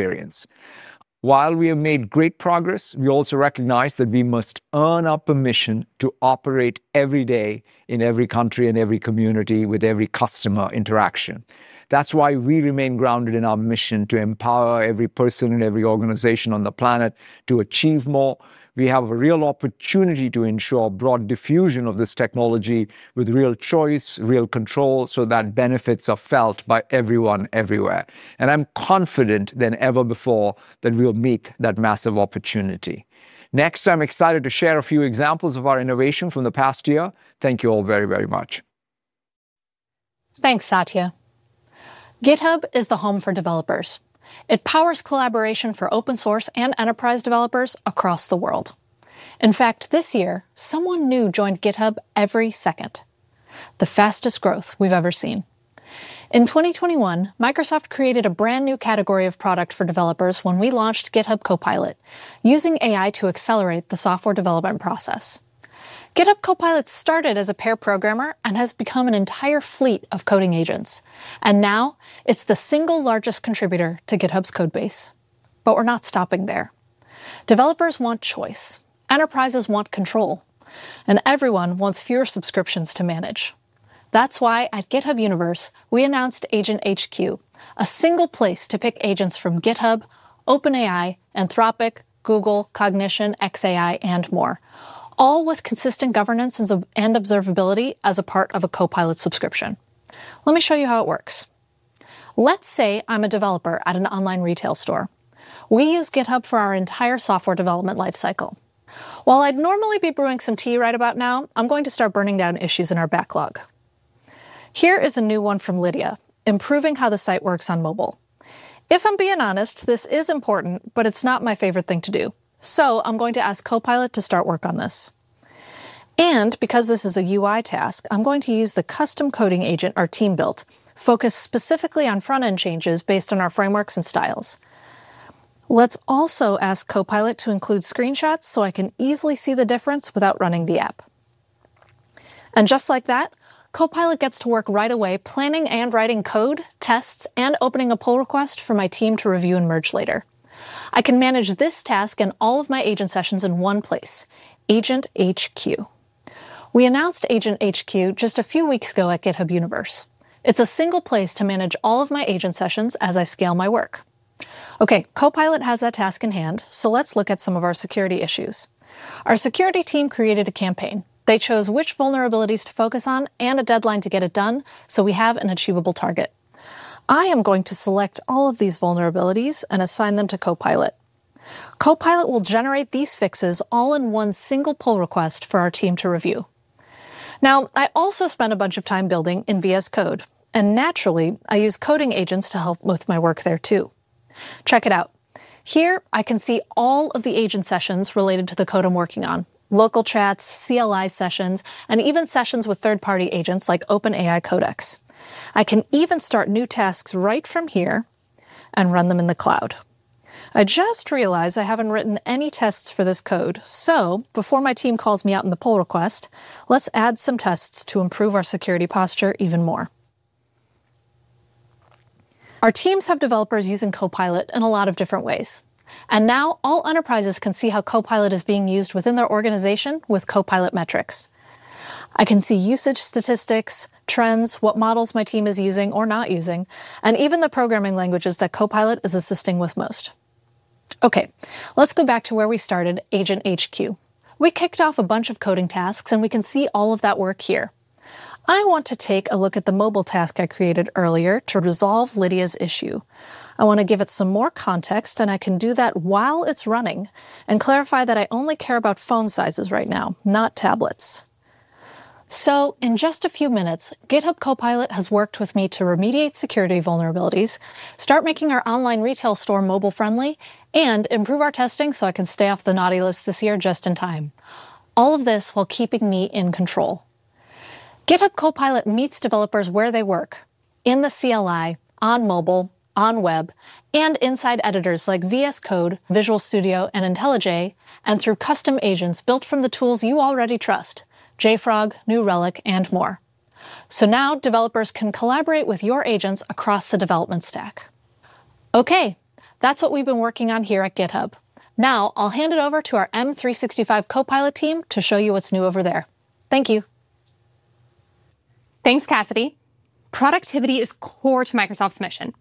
While we have made great progress, we also recognize that we must earn our permission to operate every day in every country and every community with every customer interaction. That's why we remain grounded in our mission to empower every person and every organization on the planet to achieve more. We have a real opportunity to ensure broad diffusion of this technology with real choice, real control, so that benefits are felt by everyone everywhere. And I'm more confident than ever before that we'll meet that massive opportunity. Next, I'm excited to share a few examples of our innovation from the past year. Thank you all very, very much. Thanks, Satya. GitHub is the home for developers. It powers collaboration for open-source and enterprise developers across the world. In fact, this year, someone new joined GitHub every second. The fastest growth we've ever seen. In 2021, Microsoft created a brand-new category of product for developers when we launched GitHub Copilot using AI to accelerate the software development process. GitHub Copilot started as a pair programmer and has become an entire fleet of coding agents, and now, it's the single largest contributor to GitHub's codebase, but we're not stopping there. Developers want choice. Enterprises want control, and everyone wants fewer subscriptions to manage. That's why at GitHub Universe, we announced Agent HQ, a single place to pick agents from GitHub, OpenAI, Anthropic, Google, Cognition, xAI, and more, all with consistent governance and observability as a part of a Copilot subscription. Let me show you how it works. Let's say I'm a developer at an online retail store. We use GitHub for our entire software development lifecycle. While I'd normally be brewing some tea right about now, I'm going to start burning down issues in our backlog. Here is a new one from Lydia, improving how the site works on mobile. If I'm being honest, this is important, but it's not my favorite thing to do. So I'm going to ask Copilot to start work on this. And because this is a UI task, I'm going to use the custom coding agent our team built focused specifically on front-end changes based on our frameworks and styles. Let's also ask Copilot to include screenshots so I can easily see the difference without running the app. Just like that, Copilot gets to work right away, planning and writing code, tests, and opening a pull request for my team to review and merge later. I can manage this task and all of my agent sessions in one place, Agent HQ. We announced Agent HQ just a few weeks ago at GitHub Universe. It's a single place to manage all of my agent sessions as I scale my work. Okay, Copilot has that task in hand, so let's look at some of our security issues. Our security team created a campaign. They chose which vulnerabilities to focus on and a deadline to get it done, so we have an achievable target. I am going to select all of these vulnerabilities and assign them to Copilot. Copilot will generate these fixes all in one single pull request for our team to review. Now, I also spent a bunch of time building in VS Code, and naturally, I use coding agents to help with my work there too. Check it out. Here, I can see all of the agent sessions related to the code I'm working on, local chats, CLI sessions, and even sessions with third-party agents like OpenAI Codex. I can even start new tasks right from here and run them in the cloud. I just realized I haven't written any tests for this code, so before my team calls me out in the pull request, let's add some tests to improve our security posture even more. Our teams have developers using Copilot in a lot of different ways, and now, all enterprises can see how Copilot is being used within their organization with Copilot metrics. I can see usage statistics, trends, what models my team is using or not using, and even the programming languages that Copilot is assisting with most. Okay, let's go back to where we started, Agent HQ. We kicked off a bunch of coding tasks, and we can see all of that work here. I want to take a look at the mobile task I created earlier to resolve Lydia's issue. I want to give it some more context, and I can do that while it's running and clarify that I only care about phone sizes right now, not tablets. So in just a few minutes, GitHub Copilot has worked with me to remediate security vulnerabilities, start making our online retail store mobile-friendly, and improve our testing so I can stay off the naughty list this year just in time. All of this while keeping me in control. GitHub Copilot meets developers where they work, in the CLI, on mobile, on web, and inside editors like VS Code, Visual Studio, and IntelliJ, and through custom agents built from the tools you already trust, JFrog, New Relic, and more. So now, developers can collaborate with your agents across the development stack. Okay, that's what we've been working on here at GitHub. Now, I'll hand it over to our M365 Copilot team to show you what's new over there. Thank you. Thanks, Cassidy. Productivity is core to Microsoft's mission.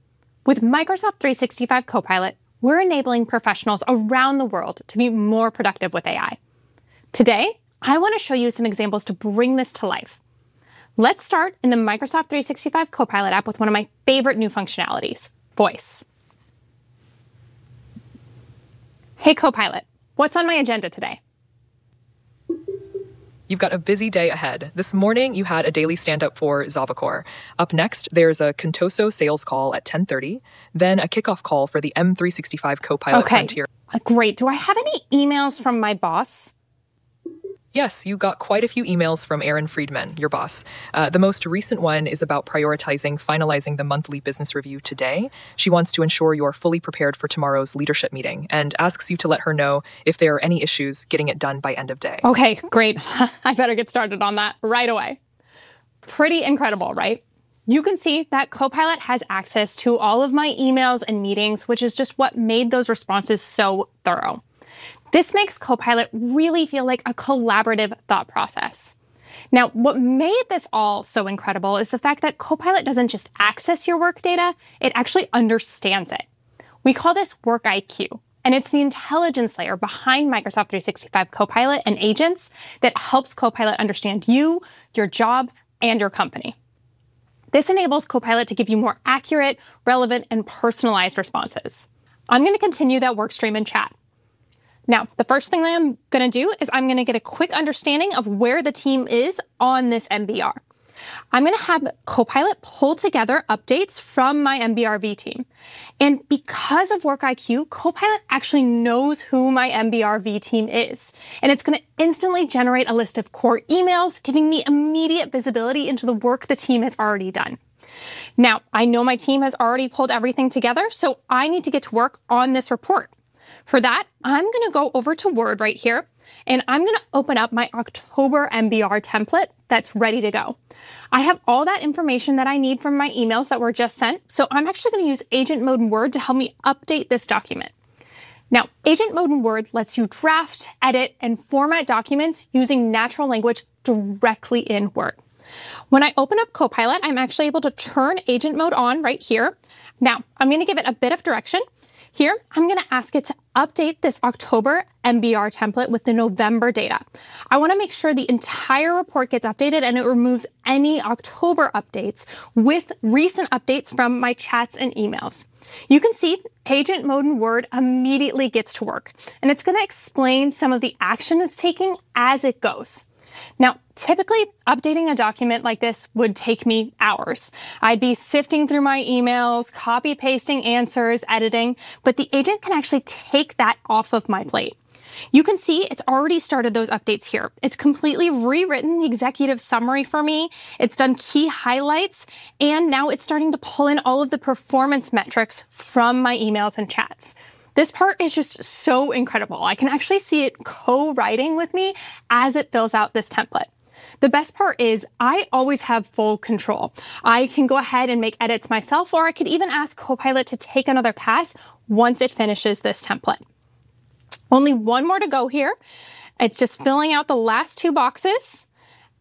With Microsoft 365 Copilot, we're enabling professionals around the world to be more productive with AI. Today, I want to show you some examples to bring this to life. Let's start in the Microsoft 365 Copilot app with one of my favorite new functionalities, Voice. Hey, Copilot, what's on my agenda today? You've got a busy day ahead. This morning, you had a daily standup for Zavakor. Up next, there's a Contoso sales call at 10:30 A.M., then a kickoff call for the M365 Copilot event here. Okay, great. Do I have any emails from my boss? Yes, you got quite a few emails from Erin Friedman, your boss. The most recent one is about prioritizing finalizing the monthly business review today. She wants to ensure you're fully prepared for tomorrow's leadership meeting and asks you to let her know if there are any issues getting it done by end of day. Okay, great. I better get started on that right away. Pretty incredible, right? You can see that Copilot has access to all of my emails and meetings, which is just what made those responses so thorough. This makes Copilot really feel like a collaborative thought process. Now, what made this all so incredible is the fact that Copilot doesn't just access your work data. It actually understands it. We call this WorkIQ, and it's the intelligence layer behind Microsoft 365 Copilot and agents that helps Copilot understand you, your job, and your company. This enables Copilot to give you more accurate, relevant, and personalized responses. I'm going to continue that work stream in chat. Now, the first thing I'm going to do is I'm going to get a quick understanding of where the team is on this MBR. I'm going to have Copilot pull together updates from my MBRV team. Because of WorkIQ, Copilot actually knows who my MBRV team is. It's going to instantly generate a list of core emails, giving me immediate visibility into the work the team has already done. Now, I know my team has already pulled everything together, so I need to get to work on this report. For that, I'm going to go over to Word right here, and I'm going to open up my October MBR template that's ready to go. I have all that information that I need from my emails that were just sent, so I'm actually going to use Agent Mode and Word to help me update this document. Now, Agent Mode and Word lets you draft, edit, and format documents using natural language directly in Word. When I open up Copilot, I'm actually able to turn Agent Mode on right here. Now, I'm going to give it a bit of direction. Here, I'm going to ask it to update this October MBR template with the November data. I want to make sure the entire report gets updated and it removes any October updates with recent updates from my chats and emails. You can see Agent Mode and Word immediately gets to work, and it's going to explain some of the action it's taking as it goes. Now, typically, updating a document like this would take me hours. I'd be sifting through my emails, copy-pasting answers, editing, but the agent can actually take that off of my plate. You can see it's already started those updates here. It's completely rewritten the executive summary for me. It's done key highlights, and now it's starting to pull in all of the performance metrics from my emails and chats. This part is just so incredible. I can actually see it co-writing with me as it fills out this template. The best part is I always have full control. I can go ahead and make edits myself, or I could even ask Copilot to take another pass once it finishes this template. Only one more to go here. It's just filling out the last two boxes,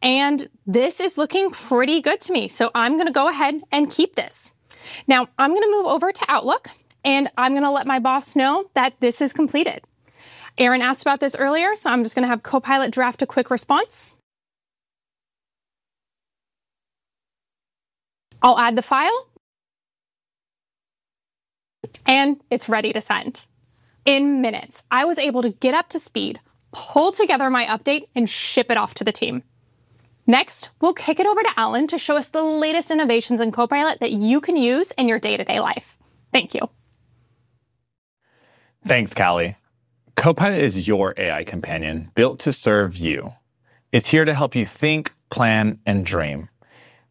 and this is looking pretty good to me, so I'm going to go ahead and keep this. Now, I'm going to move over to Outlook, and I'm going to let my boss know that this is completed. Erin asked about this earlier, so I'm just going to have Copilot draft a quick response. I'll add the file, and it's ready to send. In minutes, I was able to get up to speed, pull together my update, and ship it off to the team. Next, we'll kick it over to Alan to show us the latest innovations in Copilot that you can use in your day-to-day life. Thank you. Thanks, Callie. Copilot is your AI companion built to serve you. It's here to help you think, plan, and dream,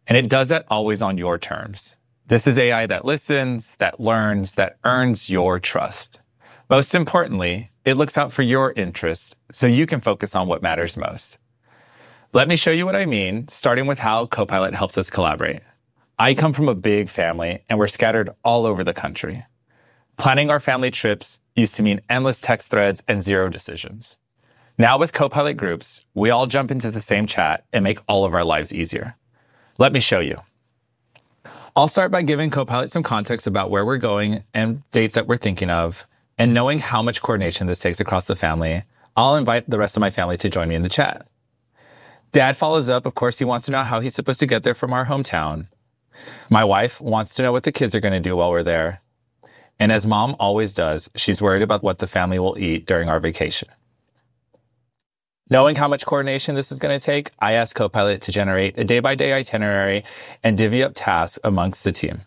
and it does that always on your terms. This is AI that listens, that learns, that earns your trust. Most importantly, it looks out for your interests so you can focus on what matters most. Let me show you what I mean, starting with how Copilot helps us collaborate. I come from a big family, and we're scattered all over the country. Planning our family trips used to mean endless text threads and zero decisions. Now, with Copilot Groups, we all jump into the same chat and make all of our lives easier. Let me show you. I'll start by giving Copilot some context about where we're going and dates that we're thinking of. Knowing how much coordination this takes across the family, I'll invite the rest of my family to join me in the chat. Dad follows up. Of course, he wants to know how he's supposed to get there from our hometown. My wife wants to know what the kids are going to do while we're there. And as Mom always does, she's worried about what the family will eat during our vacation. Knowing how much coordination this is going to take, I ask Copilot to generate a day-by-day itinerary and divvy up tasks amongst the team.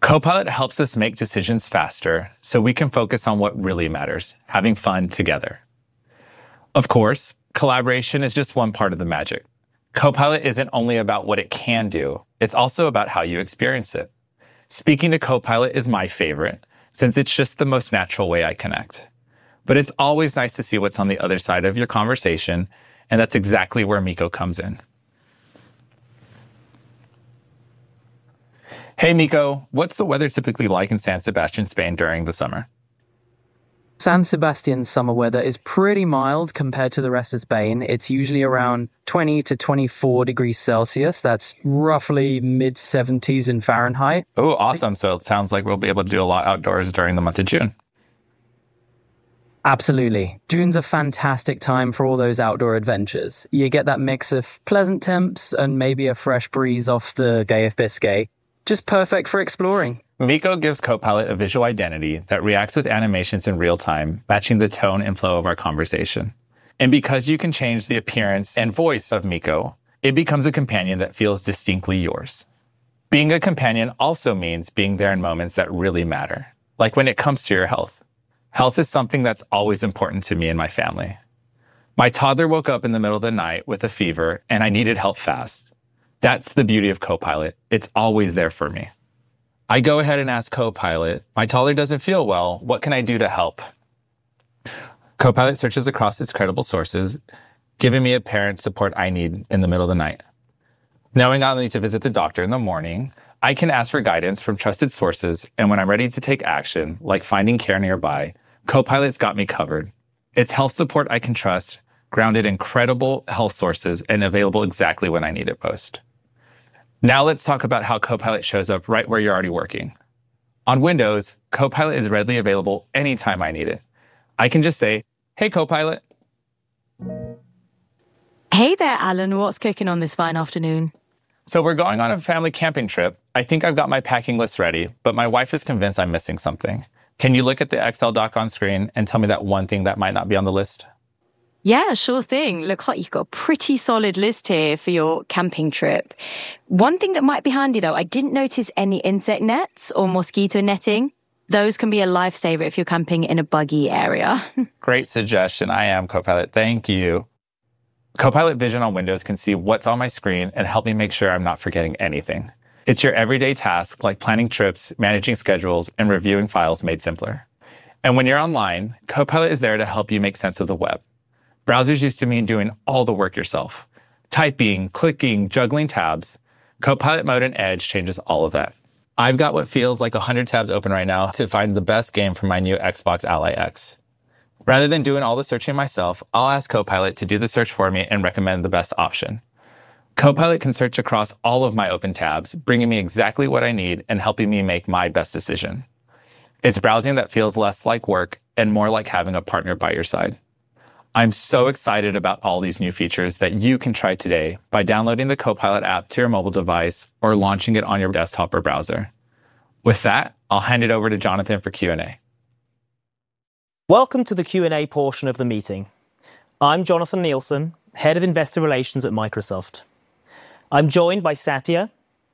Copilot helps us make decisions faster so we can focus on what really matters: having fun together. Of course, collaboration is just one part of the magic. Copilot isn't only about what it can do. It's also about how you experience it. Speaking to Copilot is my favorite since it's just the most natural way I connect. But it's always nice to see what's on the other side of your conversation, and that's exactly where Mico comes in. Hey, Mico, what's the weather typically like in San Sebastián, Spain, during the summer? San Sebastián's summer weather is pretty mild compared to the rest of Spain. It's usually around 20 to 24 degrees Celsius. That's roughly mid-70s degrees Fahrenheit. Oh, awesome. So it sounds like we'll be able to do a lot outdoors during the month of June. Absolutely. June's a fantastic time for all those outdoor adventures. You get that mix of pleasant temps and maybe a fresh breeze off the Bay of Biscay, just perfect for exploring. Mico gives Copilot a visual identity that reacts with animations in real time, matching the tone and flow of our conversation, and because you can change the appearance and voice of Mico, it becomes a companion that feels distinctly yours. Being a companion also means being there in moments that really matter, like when it comes to your health. Health is something that's always important to me and my family. My toddler woke up in the middle of the night with a fever, and I needed help fast. That's the beauty of Copilot. It's always there for me. I go ahead and ask Copilot, "My toddler doesn't feel well. What can I do to help?" Copilot searches across its credible sources, giving me apparent support I need in the middle of the night. Knowing I'll need to visit the doctor in the morning, I can ask for guidance from trusted sources. And when I'm ready to take action, like finding care nearby, Copilot's got me covered. It's health support I can trust, grounded in credible health sources and available exactly when I need it most. Now, let's talk about how Copilot shows up right where you're already working. On Windows, Copilot is readily available anytime I need it. I can just say, "Hey, Copilot. Hey there, Alan. What's cooking on this fine afternoon? So we're going on a family camping trip. I think I've got my packing list ready, but my wife is convinced I'm missing something. Can you look at the Excel doc on screen and tell me that one thing that might not be on the list? Yeah, sure thing. Look what you've got: a pretty solid list here for your camping trip. One thing that might be handy, though, I didn't notice any insect nets or mosquito netting. Those can be a lifesaver if you're camping in a buggy area. Great suggestion. I am Copilot. Thank you. Copilot Vision on Windows can see what's on my screen and help me make sure I'm not forgetting anything. It's your everyday tasks, like planning trips, managing schedules, and reviewing files made simpler, and when you're online, Copilot is there to help you make sense of the web. Browsers used to mean doing all the work yourself: typing, clicking, juggling tabs. Copilot Mode and Edge changes all of that. I've got what feels like 100 tabs open right now to find the best game for my new Xbox Ally X. Rather than doing all the searching myself, I'll ask Copilot to do the search for me and recommend the best option. Copilot can search across all of my open tabs, bringing me exactly what I need and helping me make my best decision. It's browsing that feels less like work and more like having a partner by your side. I'm so excited about all these new features that you can try today by downloading the Copilot app to your mobile device or launching it on your desktop or browser. With that, I'll hand it over to Jonathan for Q&A. Welcome to the Q&A portion of the meeting. I'm Jonathan Neilson, Head of Investor Relations at Microsoft. I'm joined by Satya,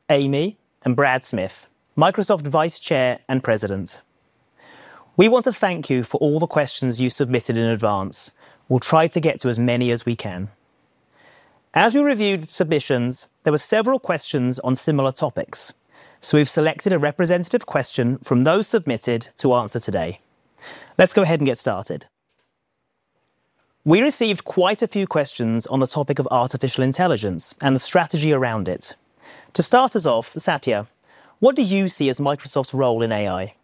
Amy, and Brad Smith, Microsoft Vice Chair and President. We want to thank you for all the questions you submitted in advance. We'll try to get to as many as we can. As we reviewed submissions, there were several questions on similar topics, so we've selected a representative question from those submitted to answer today. Let's go ahead and get started. We received quite a few questions on the topic of artificial intelligence and the strategy around it. To start us off, Satya, what do you see as Microsoft's role in AI?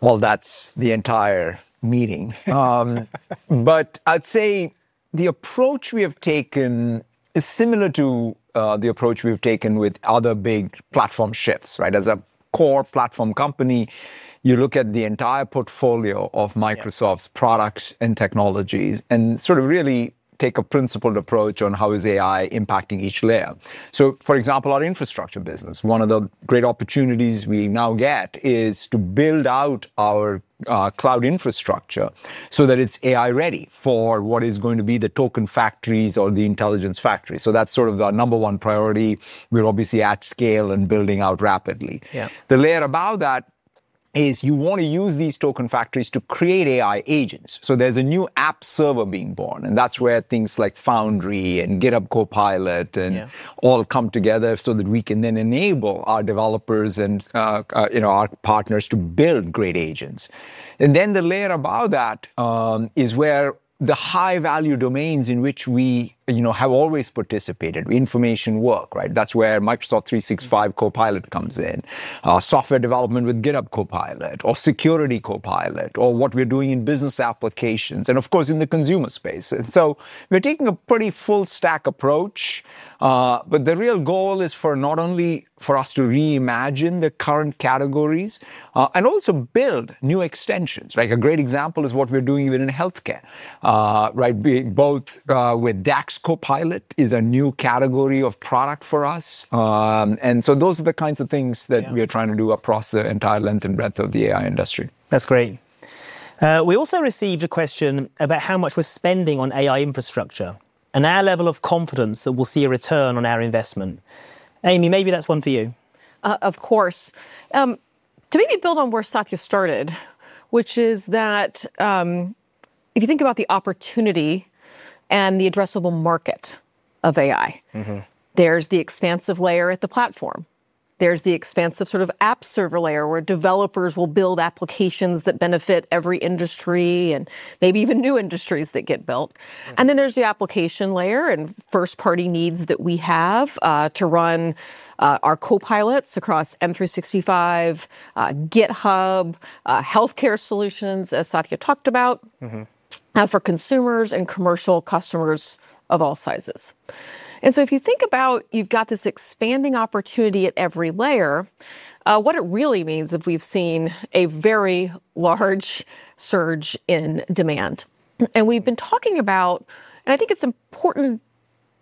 That's the entire meeting, but I'd say the approach we have taken is similar to the approach we've taken with other big platform shifts, right? As a core platform company, you look at the entire portfolio of Microsoft's products and technologies and sort of really take a principled approach on how is AI impacting each layer, so for example, our infrastructure business, one of the great opportunities we now get is to build out our cloud infrastructure so that it's AI-ready for what is going to be the token factories or the intelligence factories, so that's sort of our number one priority. We're obviously at scale and building out rapidly. The layer above that is you want to use these token factories to create AI agents. So there's a new app server being born, and that's where things like Foundry and GitHub Copilot and all come together so that we can then enable our developers and our partners to build great agents. And then the layer above that is where the high-value domains in which we have always participated, information work, right? That's where Microsoft 365 Copilot comes in, software development with GitHub Copilot, or Security Copilot, or what we're doing in business applications, and of course, in the consumer space. And so we're taking a pretty full-stack approach, but the real goal is not only for us to reimagine the current categories and also build new extensions. Like a great example is what we're doing within healthcare, right? Both with DAX Copilot is a new category of product for us. Those are the kinds of things that we are trying to do across the entire length and breadth of the AI industry. That's great. We also received a question about how much we're spending on AI infrastructure and our level of confidence that we'll see a return on our investment. Amy, maybe that's one for you. Of course. To maybe build on where Satya started, which is that if you think about the opportunity and the addressable market of AI, there's the expansive layer at the platform. There's the expansive sort of app server layer where developers will build applications that benefit every industry and maybe even new industries that get built. And then there's the application layer and first-party needs that we have to run our Copilots across M365, GitHub, healthcare solutions, as Satya talked about, for consumers and commercial customers of all sizes. And so if you think about you've got this expanding opportunity at every layer, what it really means is we've seen a very large surge in demand. And we've been talking about, and I think it's important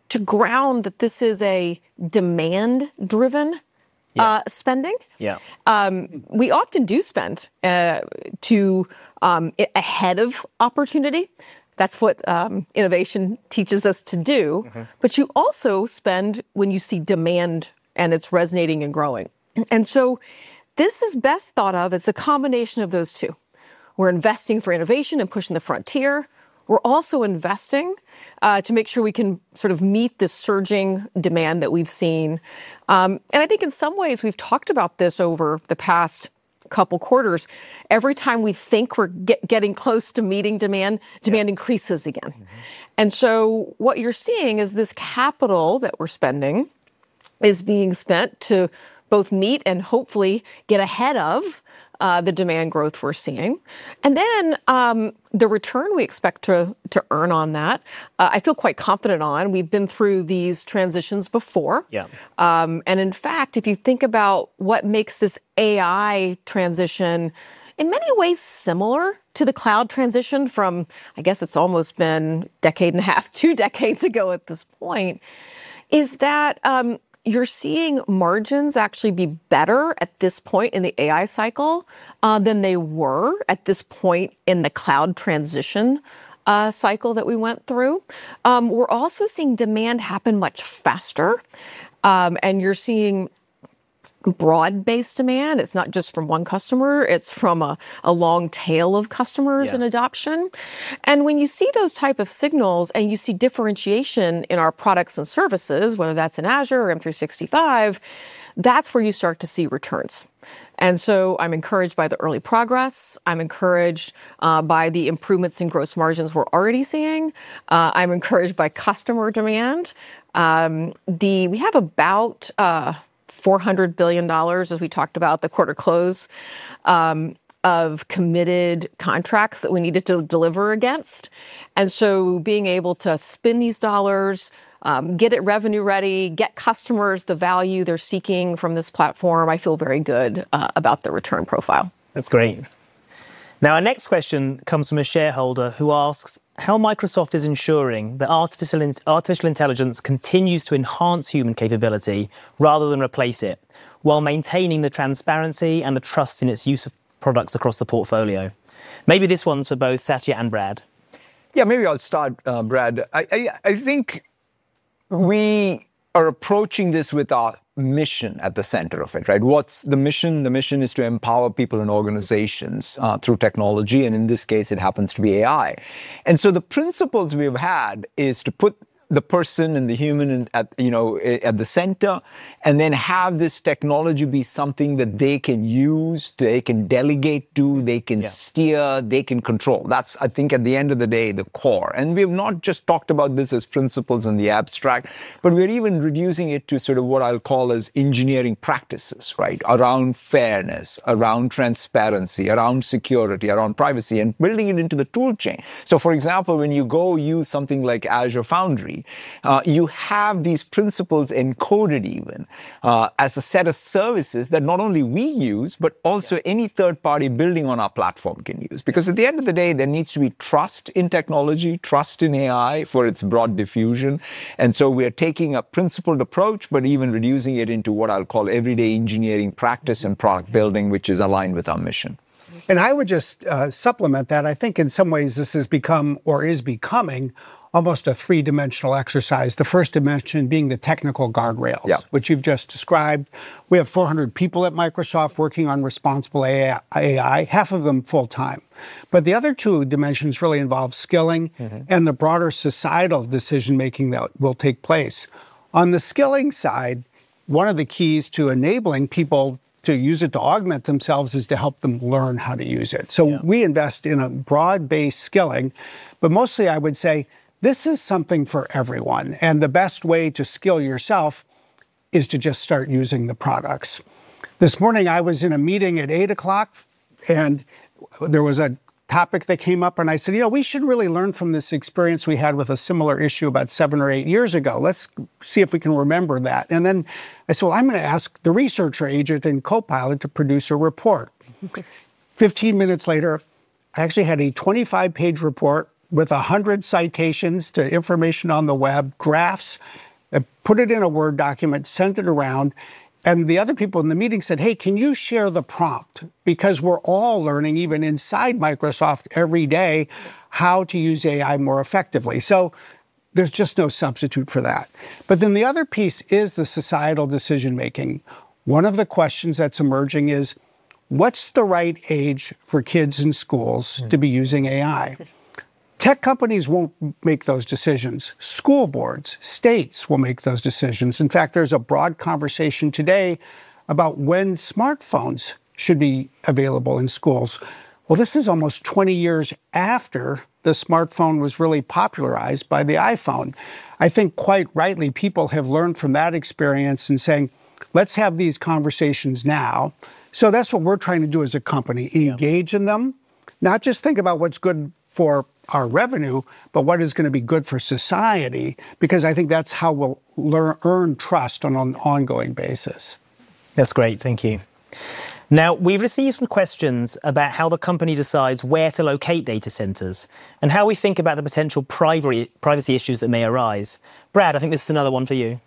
to ground that this is a demand-driven spending. We often do spend ahead of opportunity. That's what innovation teaches us to do. But you also spend when you see demand and it's resonating and growing. And so this is best thought of as a combination of those two. We're investing for innovation and pushing the frontier. We're also investing to make sure we can sort of meet the surging demand that we've seen. And I think in some ways we've talked about this over the past couple of quarters. Every time we think we're getting close to meeting demand, demand increases again. And so what you're seeing is this capital that we're spending is being spent to both meet and hopefully get ahead of the demand growth we're seeing. And then the return we expect to earn on that, I feel quite confident on. We've been through these transitions before. And in fact, if you think about what makes this AI transition in many ways similar to the cloud transition from, I guess it's almost been a decade and a half, two decades ago at this point, is that you're seeing margins actually be better at this point in the AI cycle than they were at this point in the cloud transition cycle that we went through. We're also seeing demand happen much faster. And you're seeing broad-based demand. It's not just from one customer. It's from a long tail of customers and adoption. And when you see those types of signals and you see differentiation in our products and services, whether that's in Azure or M365, that's where you start to see returns. And so I'm encouraged by the early progress. I'm encouraged by the improvements in gross margins we're already seeing. I'm encouraged by customer demand. We have about $400 billion, as we talked about the quarter close, of committed contracts that we needed to deliver against, and so being able to spend these dollars, get it revenue-ready, get customers the value they're seeking from this platform, I feel very good about the return profile. That's great. Now, our next question comes from a shareholder who asks how Microsoft is ensuring that artificial intelligence continues to enhance human capability rather than replace it while maintaining the transparency and the trust in its use of products across the portfolio. Maybe this one's for both Satya and Brad. Yeah, maybe I'll start, Brad. I think we are approaching this with our mission at the center of it, right? What's the mission? The mission is to empower people and organizations through technology, and in this case, it happens to be AI. And so the principles we've had is to put the person and the human at the center and then have this technology be something that they can use, they can delegate to, they can steer, they can control. That's, I think, at the end of the day, the core. And we have not just talked about this as principles in the abstract, but we're even reducing it to sort of what I'll call as engineering practices, right, around fairness, around transparency, around security, around privacy, and building it into the toolchain. So, for example, when you go use something like Microsoft Foundry, you have these principles encoded even as a set of services that not only we use, but also any third-party building on our platform can use. Because at the end of the day, there needs to be trust in technology, trust in AI for its broad diffusion. And so we're taking a principled approach, but even reducing it into what I'll call everyday engineering practice and product building, which is aligned with our mission. And I would just supplement that. I think in some ways this has become, or is becoming, almost a three-dimensional exercise, the first dimension being the technical guardrails, which you've just described. We have 400 people at Microsoft working on Responsible AI, half of them full-time. But the other two dimensions really involve skilling and the broader societal decision-making that will take place. On the skilling side, one of the keys to enabling people to use it to augment themselves is to help them learn how to use it. So we invest in a broad-based skilling, but mostly I would say this is something for everyone. And the best way to skill yourself is to just start using the products. This morning, I was in a meeting at 8:00 A.M., and there was a topic that came up, and I said, "You know, we should really learn from this experience we had with a similar issue about seven or eight years ago. Let's see if we can remember that." And then I said, "Well, I'm going to ask the researcher agent in Copilot to produce a report." 15 minutes later, I actually had a 25-page report with 100 citations to information on the web, graphs. I put it in a Word document, sent it around, and the other people in the meeting said, "Hey, can you share the prompt? Because we're all learning, even inside Microsoft every day, how to use AI more effectively." So there's just no substitute for that. But then the other piece is the societal decision-making. One of the questions that's emerging is, what's the right age for kids in schools to be using AI? Tech companies won't make those decisions. School boards, states will make those decisions. In fact, there's a broad conversation today about when smartphones should be available in schools. Well, this is almost 20 years after the smartphone was really popularized by the iPhone. I think quite rightly, people have learned from that experience in saying, "Let's have these conversations now." So that's what we're trying to do as a company, engage in them, not just think about what's good for our revenue, but what is going to be good for society, because I think that's how we'll earn trust on an ongoing basis. That's great. Thank you. Now, we've received some questions about how the company decides where to locate data centers and how we think about the potential privacy issues that may arise. Brad, I think this is another one for you.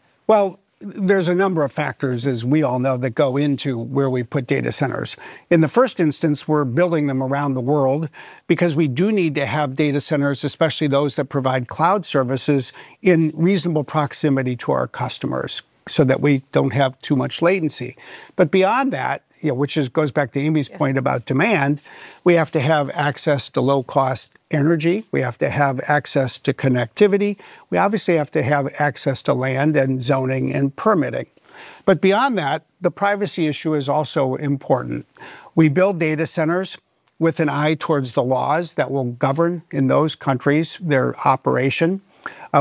There's a number of factors, as we all know, that go into where we put data centers. In the first instance, we're building them around the world because we do need to have data centers, especially those that provide cloud services, in reasonable proximity to our customers so that we don't have too much latency. But beyond that, which goes back to Amy's point about demand, we have to have access to low-cost energy. We have to have access to connectivity. We obviously have to have access to land and zoning and permitting. But beyond that, the privacy issue is also important. We build data centers with an eye towards the laws that will govern in those countries their operation.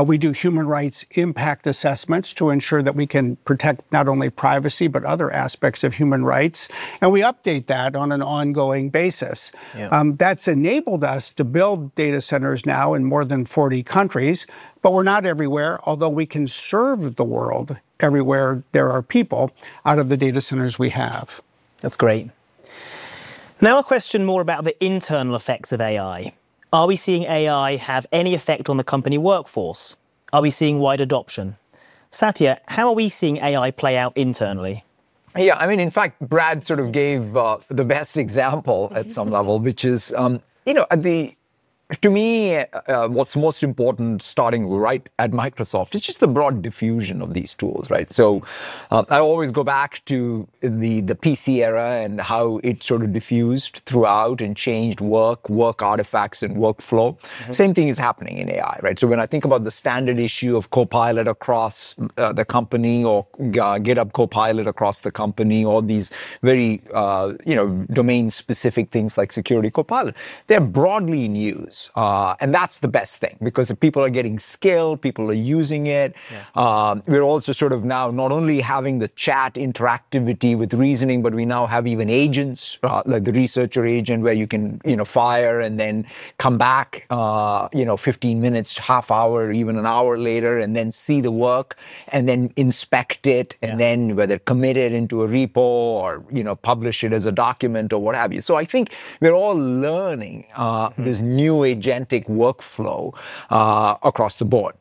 We do human rights impact assessments to ensure that we can protect not only privacy, but other aspects of human rights. And we update that on an ongoing basis. That's enabled us to build data centers now in more than 40 countries, but we're not everywhere, although we can serve the world everywhere there are people out of the data centers we have. That's great. Now, a question more about the internal effects of AI. Are we seeing AI have any effect on the company workforce? Are we seeing wide adoption? Satya, how are we seeing AI play out internally? Yeah, I mean, in fact, Brad sort of gave the best example at some level, which is, you know, to me, what's most important starting right at Microsoft is just the broad diffusion of these tools, right? So I always go back to the PC era and how it sort of diffused throughout and changed work, work artifacts, and workflow. Same thing is happening in AI, right? So when I think about the standard issue of Copilot across the company or GitHub Copilot across the company, all these very domain-specific things like Security Copilot, they're broadly in use. And that's the best thing because if people are getting skilled, people are using it. We're also sort of now not only having the chat interactivity with reasoning, but we now have even agents, like the researcher agent, where you can fire and then come back 15 minutes, half an hour, even an hour later, and then see the work, and then inspect it, and then whether committed into a repo or publish it as a document or what have you. So I think we're all learning this new agentic workflow across the board,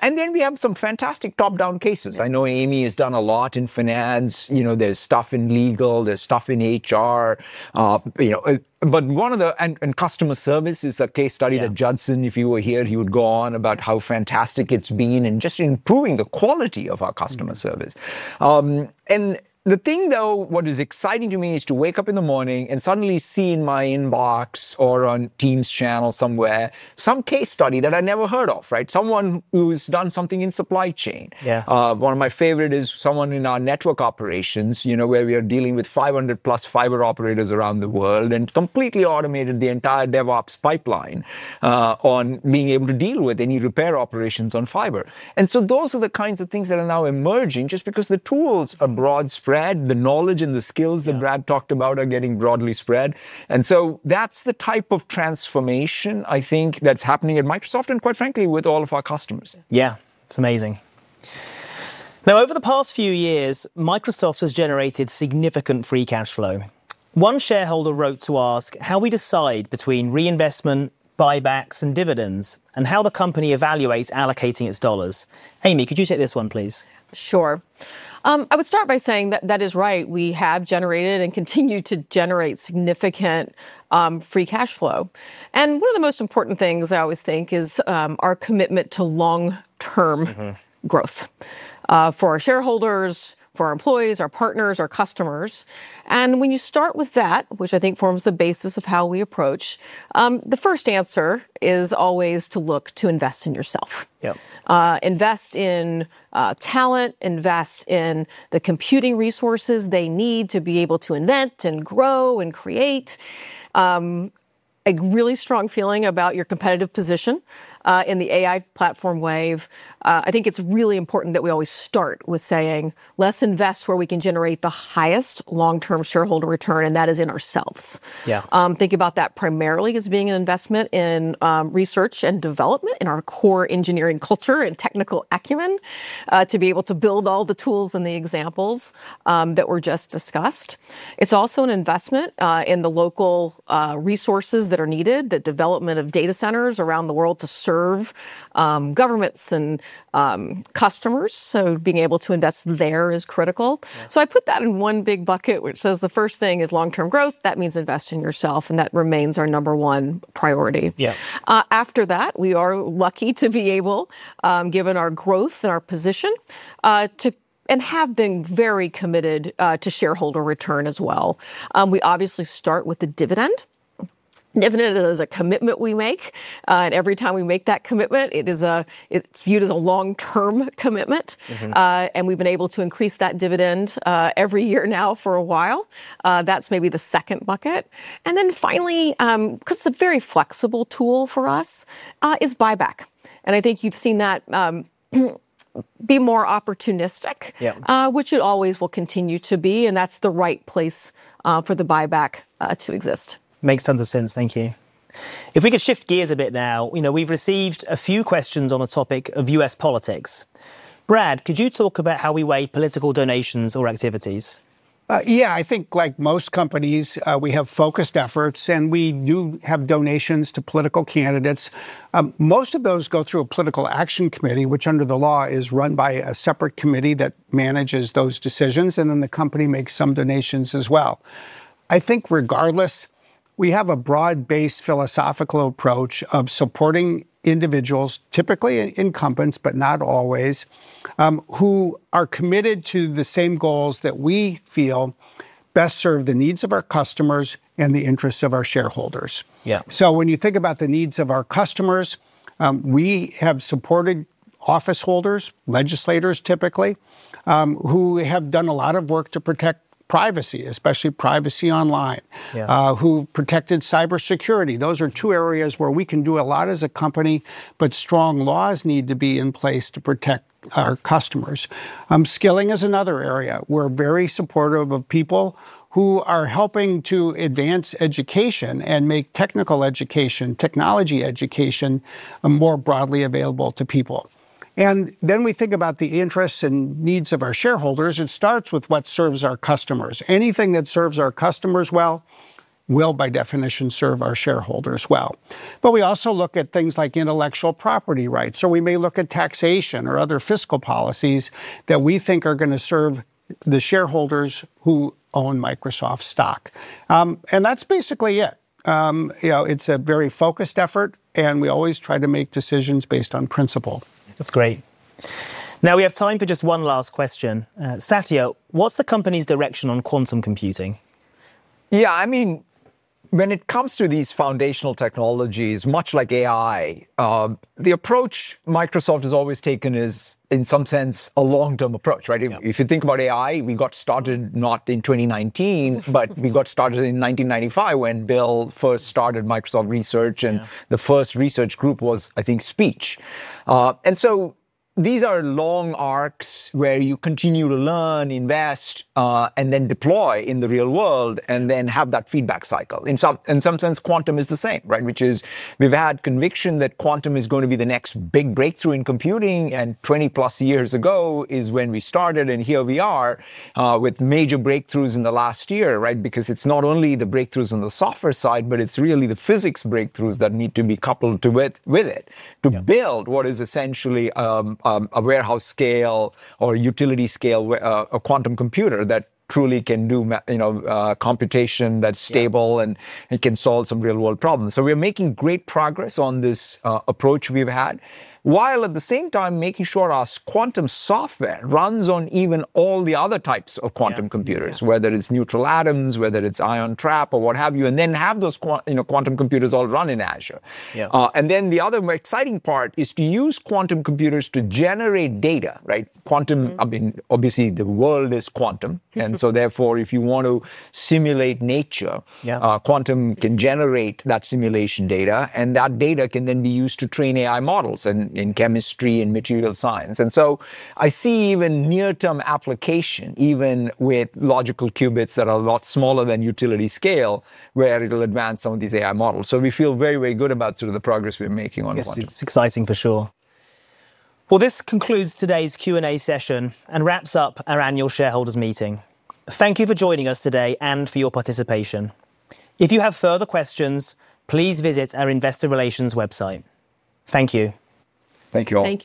and then we have some fantastic top-down cases. I know Amy has done a lot in finance. There's stuff in legal. There's stuff in HR. But one of the, and customer service is a case study that Judson, if you were here, he would go on about how fantastic it's been in just improving the quality of our customer service. And the thing, though, what is exciting to me is to wake up in the morning and suddenly see in my inbox or on Teams channel somewhere some case study that I never heard of, right? Someone who's done something in supply chain. One of my favorites is someone in our network operations, you know, where we are dealing with 500-plus fiber operators around the world and completely automated the entire DevOps pipeline on being able to deal with any repair operations on fiber. And so those are the kinds of things that are now emerging just because the tools are broadly spread, the knowledge and the skills that Brad talked about are getting broadly spread. And so that's the type of transformation, I think, that's happening at Microsoft and, quite frankly, with all of our customers. Yeah, it's amazing. Now, over the past few years, Microsoft has generated significant free cash flow. One shareholder wrote to ask how we decide between reinvestment, buybacks, and dividends and how the company evaluates allocating its dollars. Amy, could you take this one, please? Sure. I would start by saying that that is right. We have generated and continue to generate significant free cash flow. And one of the most important things I always think is our commitment to long-term growth for our shareholders, for our employees, our partners, our customers. And when you start with that, which I think forms the basis of how we approach, the first answer is always to look to invest in yourself. Invest in talent, invest in the computing resources they need to be able to invent and grow and create. A really strong feeling about your competitive position in the AI platform wave. I think it's really important that we always start with saying, "Let's invest where we can generate the highest long-term shareholder return, and that is in ourselves." Think about that primarily as being an investment in research and development in our core engineering culture and technical acumen to be able to build all the tools and the examples that were just discussed. It's also an investment in the local resources that are needed, the development of data centers around the world to serve governments and customers. So being able to invest there is critical. So I put that in one big bucket, which says the first thing is long-term growth. That means invest in yourself, and that remains our number one priority. After that, we are lucky to be able, given our growth and our position, to have been very committed to shareholder return as well. We obviously start with the dividend. Dividend is a commitment we make. And every time we make that commitment, it's viewed as a long-term commitment. And we've been able to increase that dividend every year now for a while. That's maybe the second bucket. And then finally, because it's a very flexible tool for us, is buyback. And I think you've seen that be more opportunistic, which it always will continue to be. And that's the right place for the buyback to exist. Makes tons of sense. Thank you. If we could shift gears a bit now, you know, we've received a few questions on a topic of U.S. politics. Brad, could you talk about how we weigh political donations or activities? Yeah, I think like most companies, we have focused efforts, and we do have donations to political candidates. Most of those go through a political action committee, which under the law is run by a separate committee that manages those decisions, and then the company makes some donations as well. I think regardless, we have a broad-based philosophical approach of supporting individuals, typically incumbents, but not always, who are committed to the same goals that we feel best serve the needs of our customers and the interests of our shareholders. So when you think about the needs of our customers, we have supported officeholders, legislators typically, who have done a lot of work to protect privacy, especially privacy online, who protected cybersecurity. Those are two areas where we can do a lot as a company, but strong laws need to be in place to protect our customers. Skilling is another area. We're very supportive of people who are helping to advance education and make technical education, technology education, more broadly available to people. And then we think about the interests and needs of our shareholders. It starts with what serves our customers. Anything that serves our customers well will, by definition, serve our shareholders well. But we also look at things like intellectual property rights. So we may look at taxation or other fiscal policies that we think are going to serve the shareholders who own Microsoft stock. And that's basically it. It's a very focused effort, and we always try to make decisions based on principle. That's great. Now we have time for just one last question. Satya, what's the company's direction on quantum computing? Yeah, I mean, when it comes to these foundational technologies, much like AI, the approach Microsoft has always taken is, in some sense, a long-term approach, right? If you think about AI, we got started not in 2019, but we got started in 1995 when Bill first started Microsoft Research, and the first research group was, I think, speech. And so these are long arcs where you continue to learn, invest, and then deploy in the real world and then have that feedback cycle. In some sense, quantum is the same, right? Which is we've had conviction that quantum is going to be the next big breakthrough in computing, and 20-plus years ago is when we started, and here we are with major breakthroughs in the last year, right? Because it's not only the breakthroughs on the software side, but it's really the physics breakthroughs that need to be coupled with it to build what is essentially a warehouse scale or utility scale quantum computer that truly can do computation that's stable and it can solve some real-world problems. So we're making great progress on this approach we've had, while at the same time making sure our quantum software runs on even all the other types of quantum computers, whether it's neutral atoms, whether it's ion trap or what have you, and then have those quantum computers all run in Azure. And then the other more exciting part is to use quantum computers to generate data, right? Quantum, I mean, obviously the world is quantum. And so therefore, if you want to simulate nature, quantum can generate that simulation data, and that data can then be used to train AI models in chemistry and material science. And so I see even near-term application, even with logical qubits that are a lot smaller than utility scale, where it'll advance some of these AI models. So we feel very, very good about sort of the progress we're making on quantum. Yes, it's exciting for sure. This concludes today's Q&A session and wraps up our annual shareholders meeting. Thank you for joining us today and for your participation. If you have further questions, please visit our investor relations website. Thank you. Thank you all.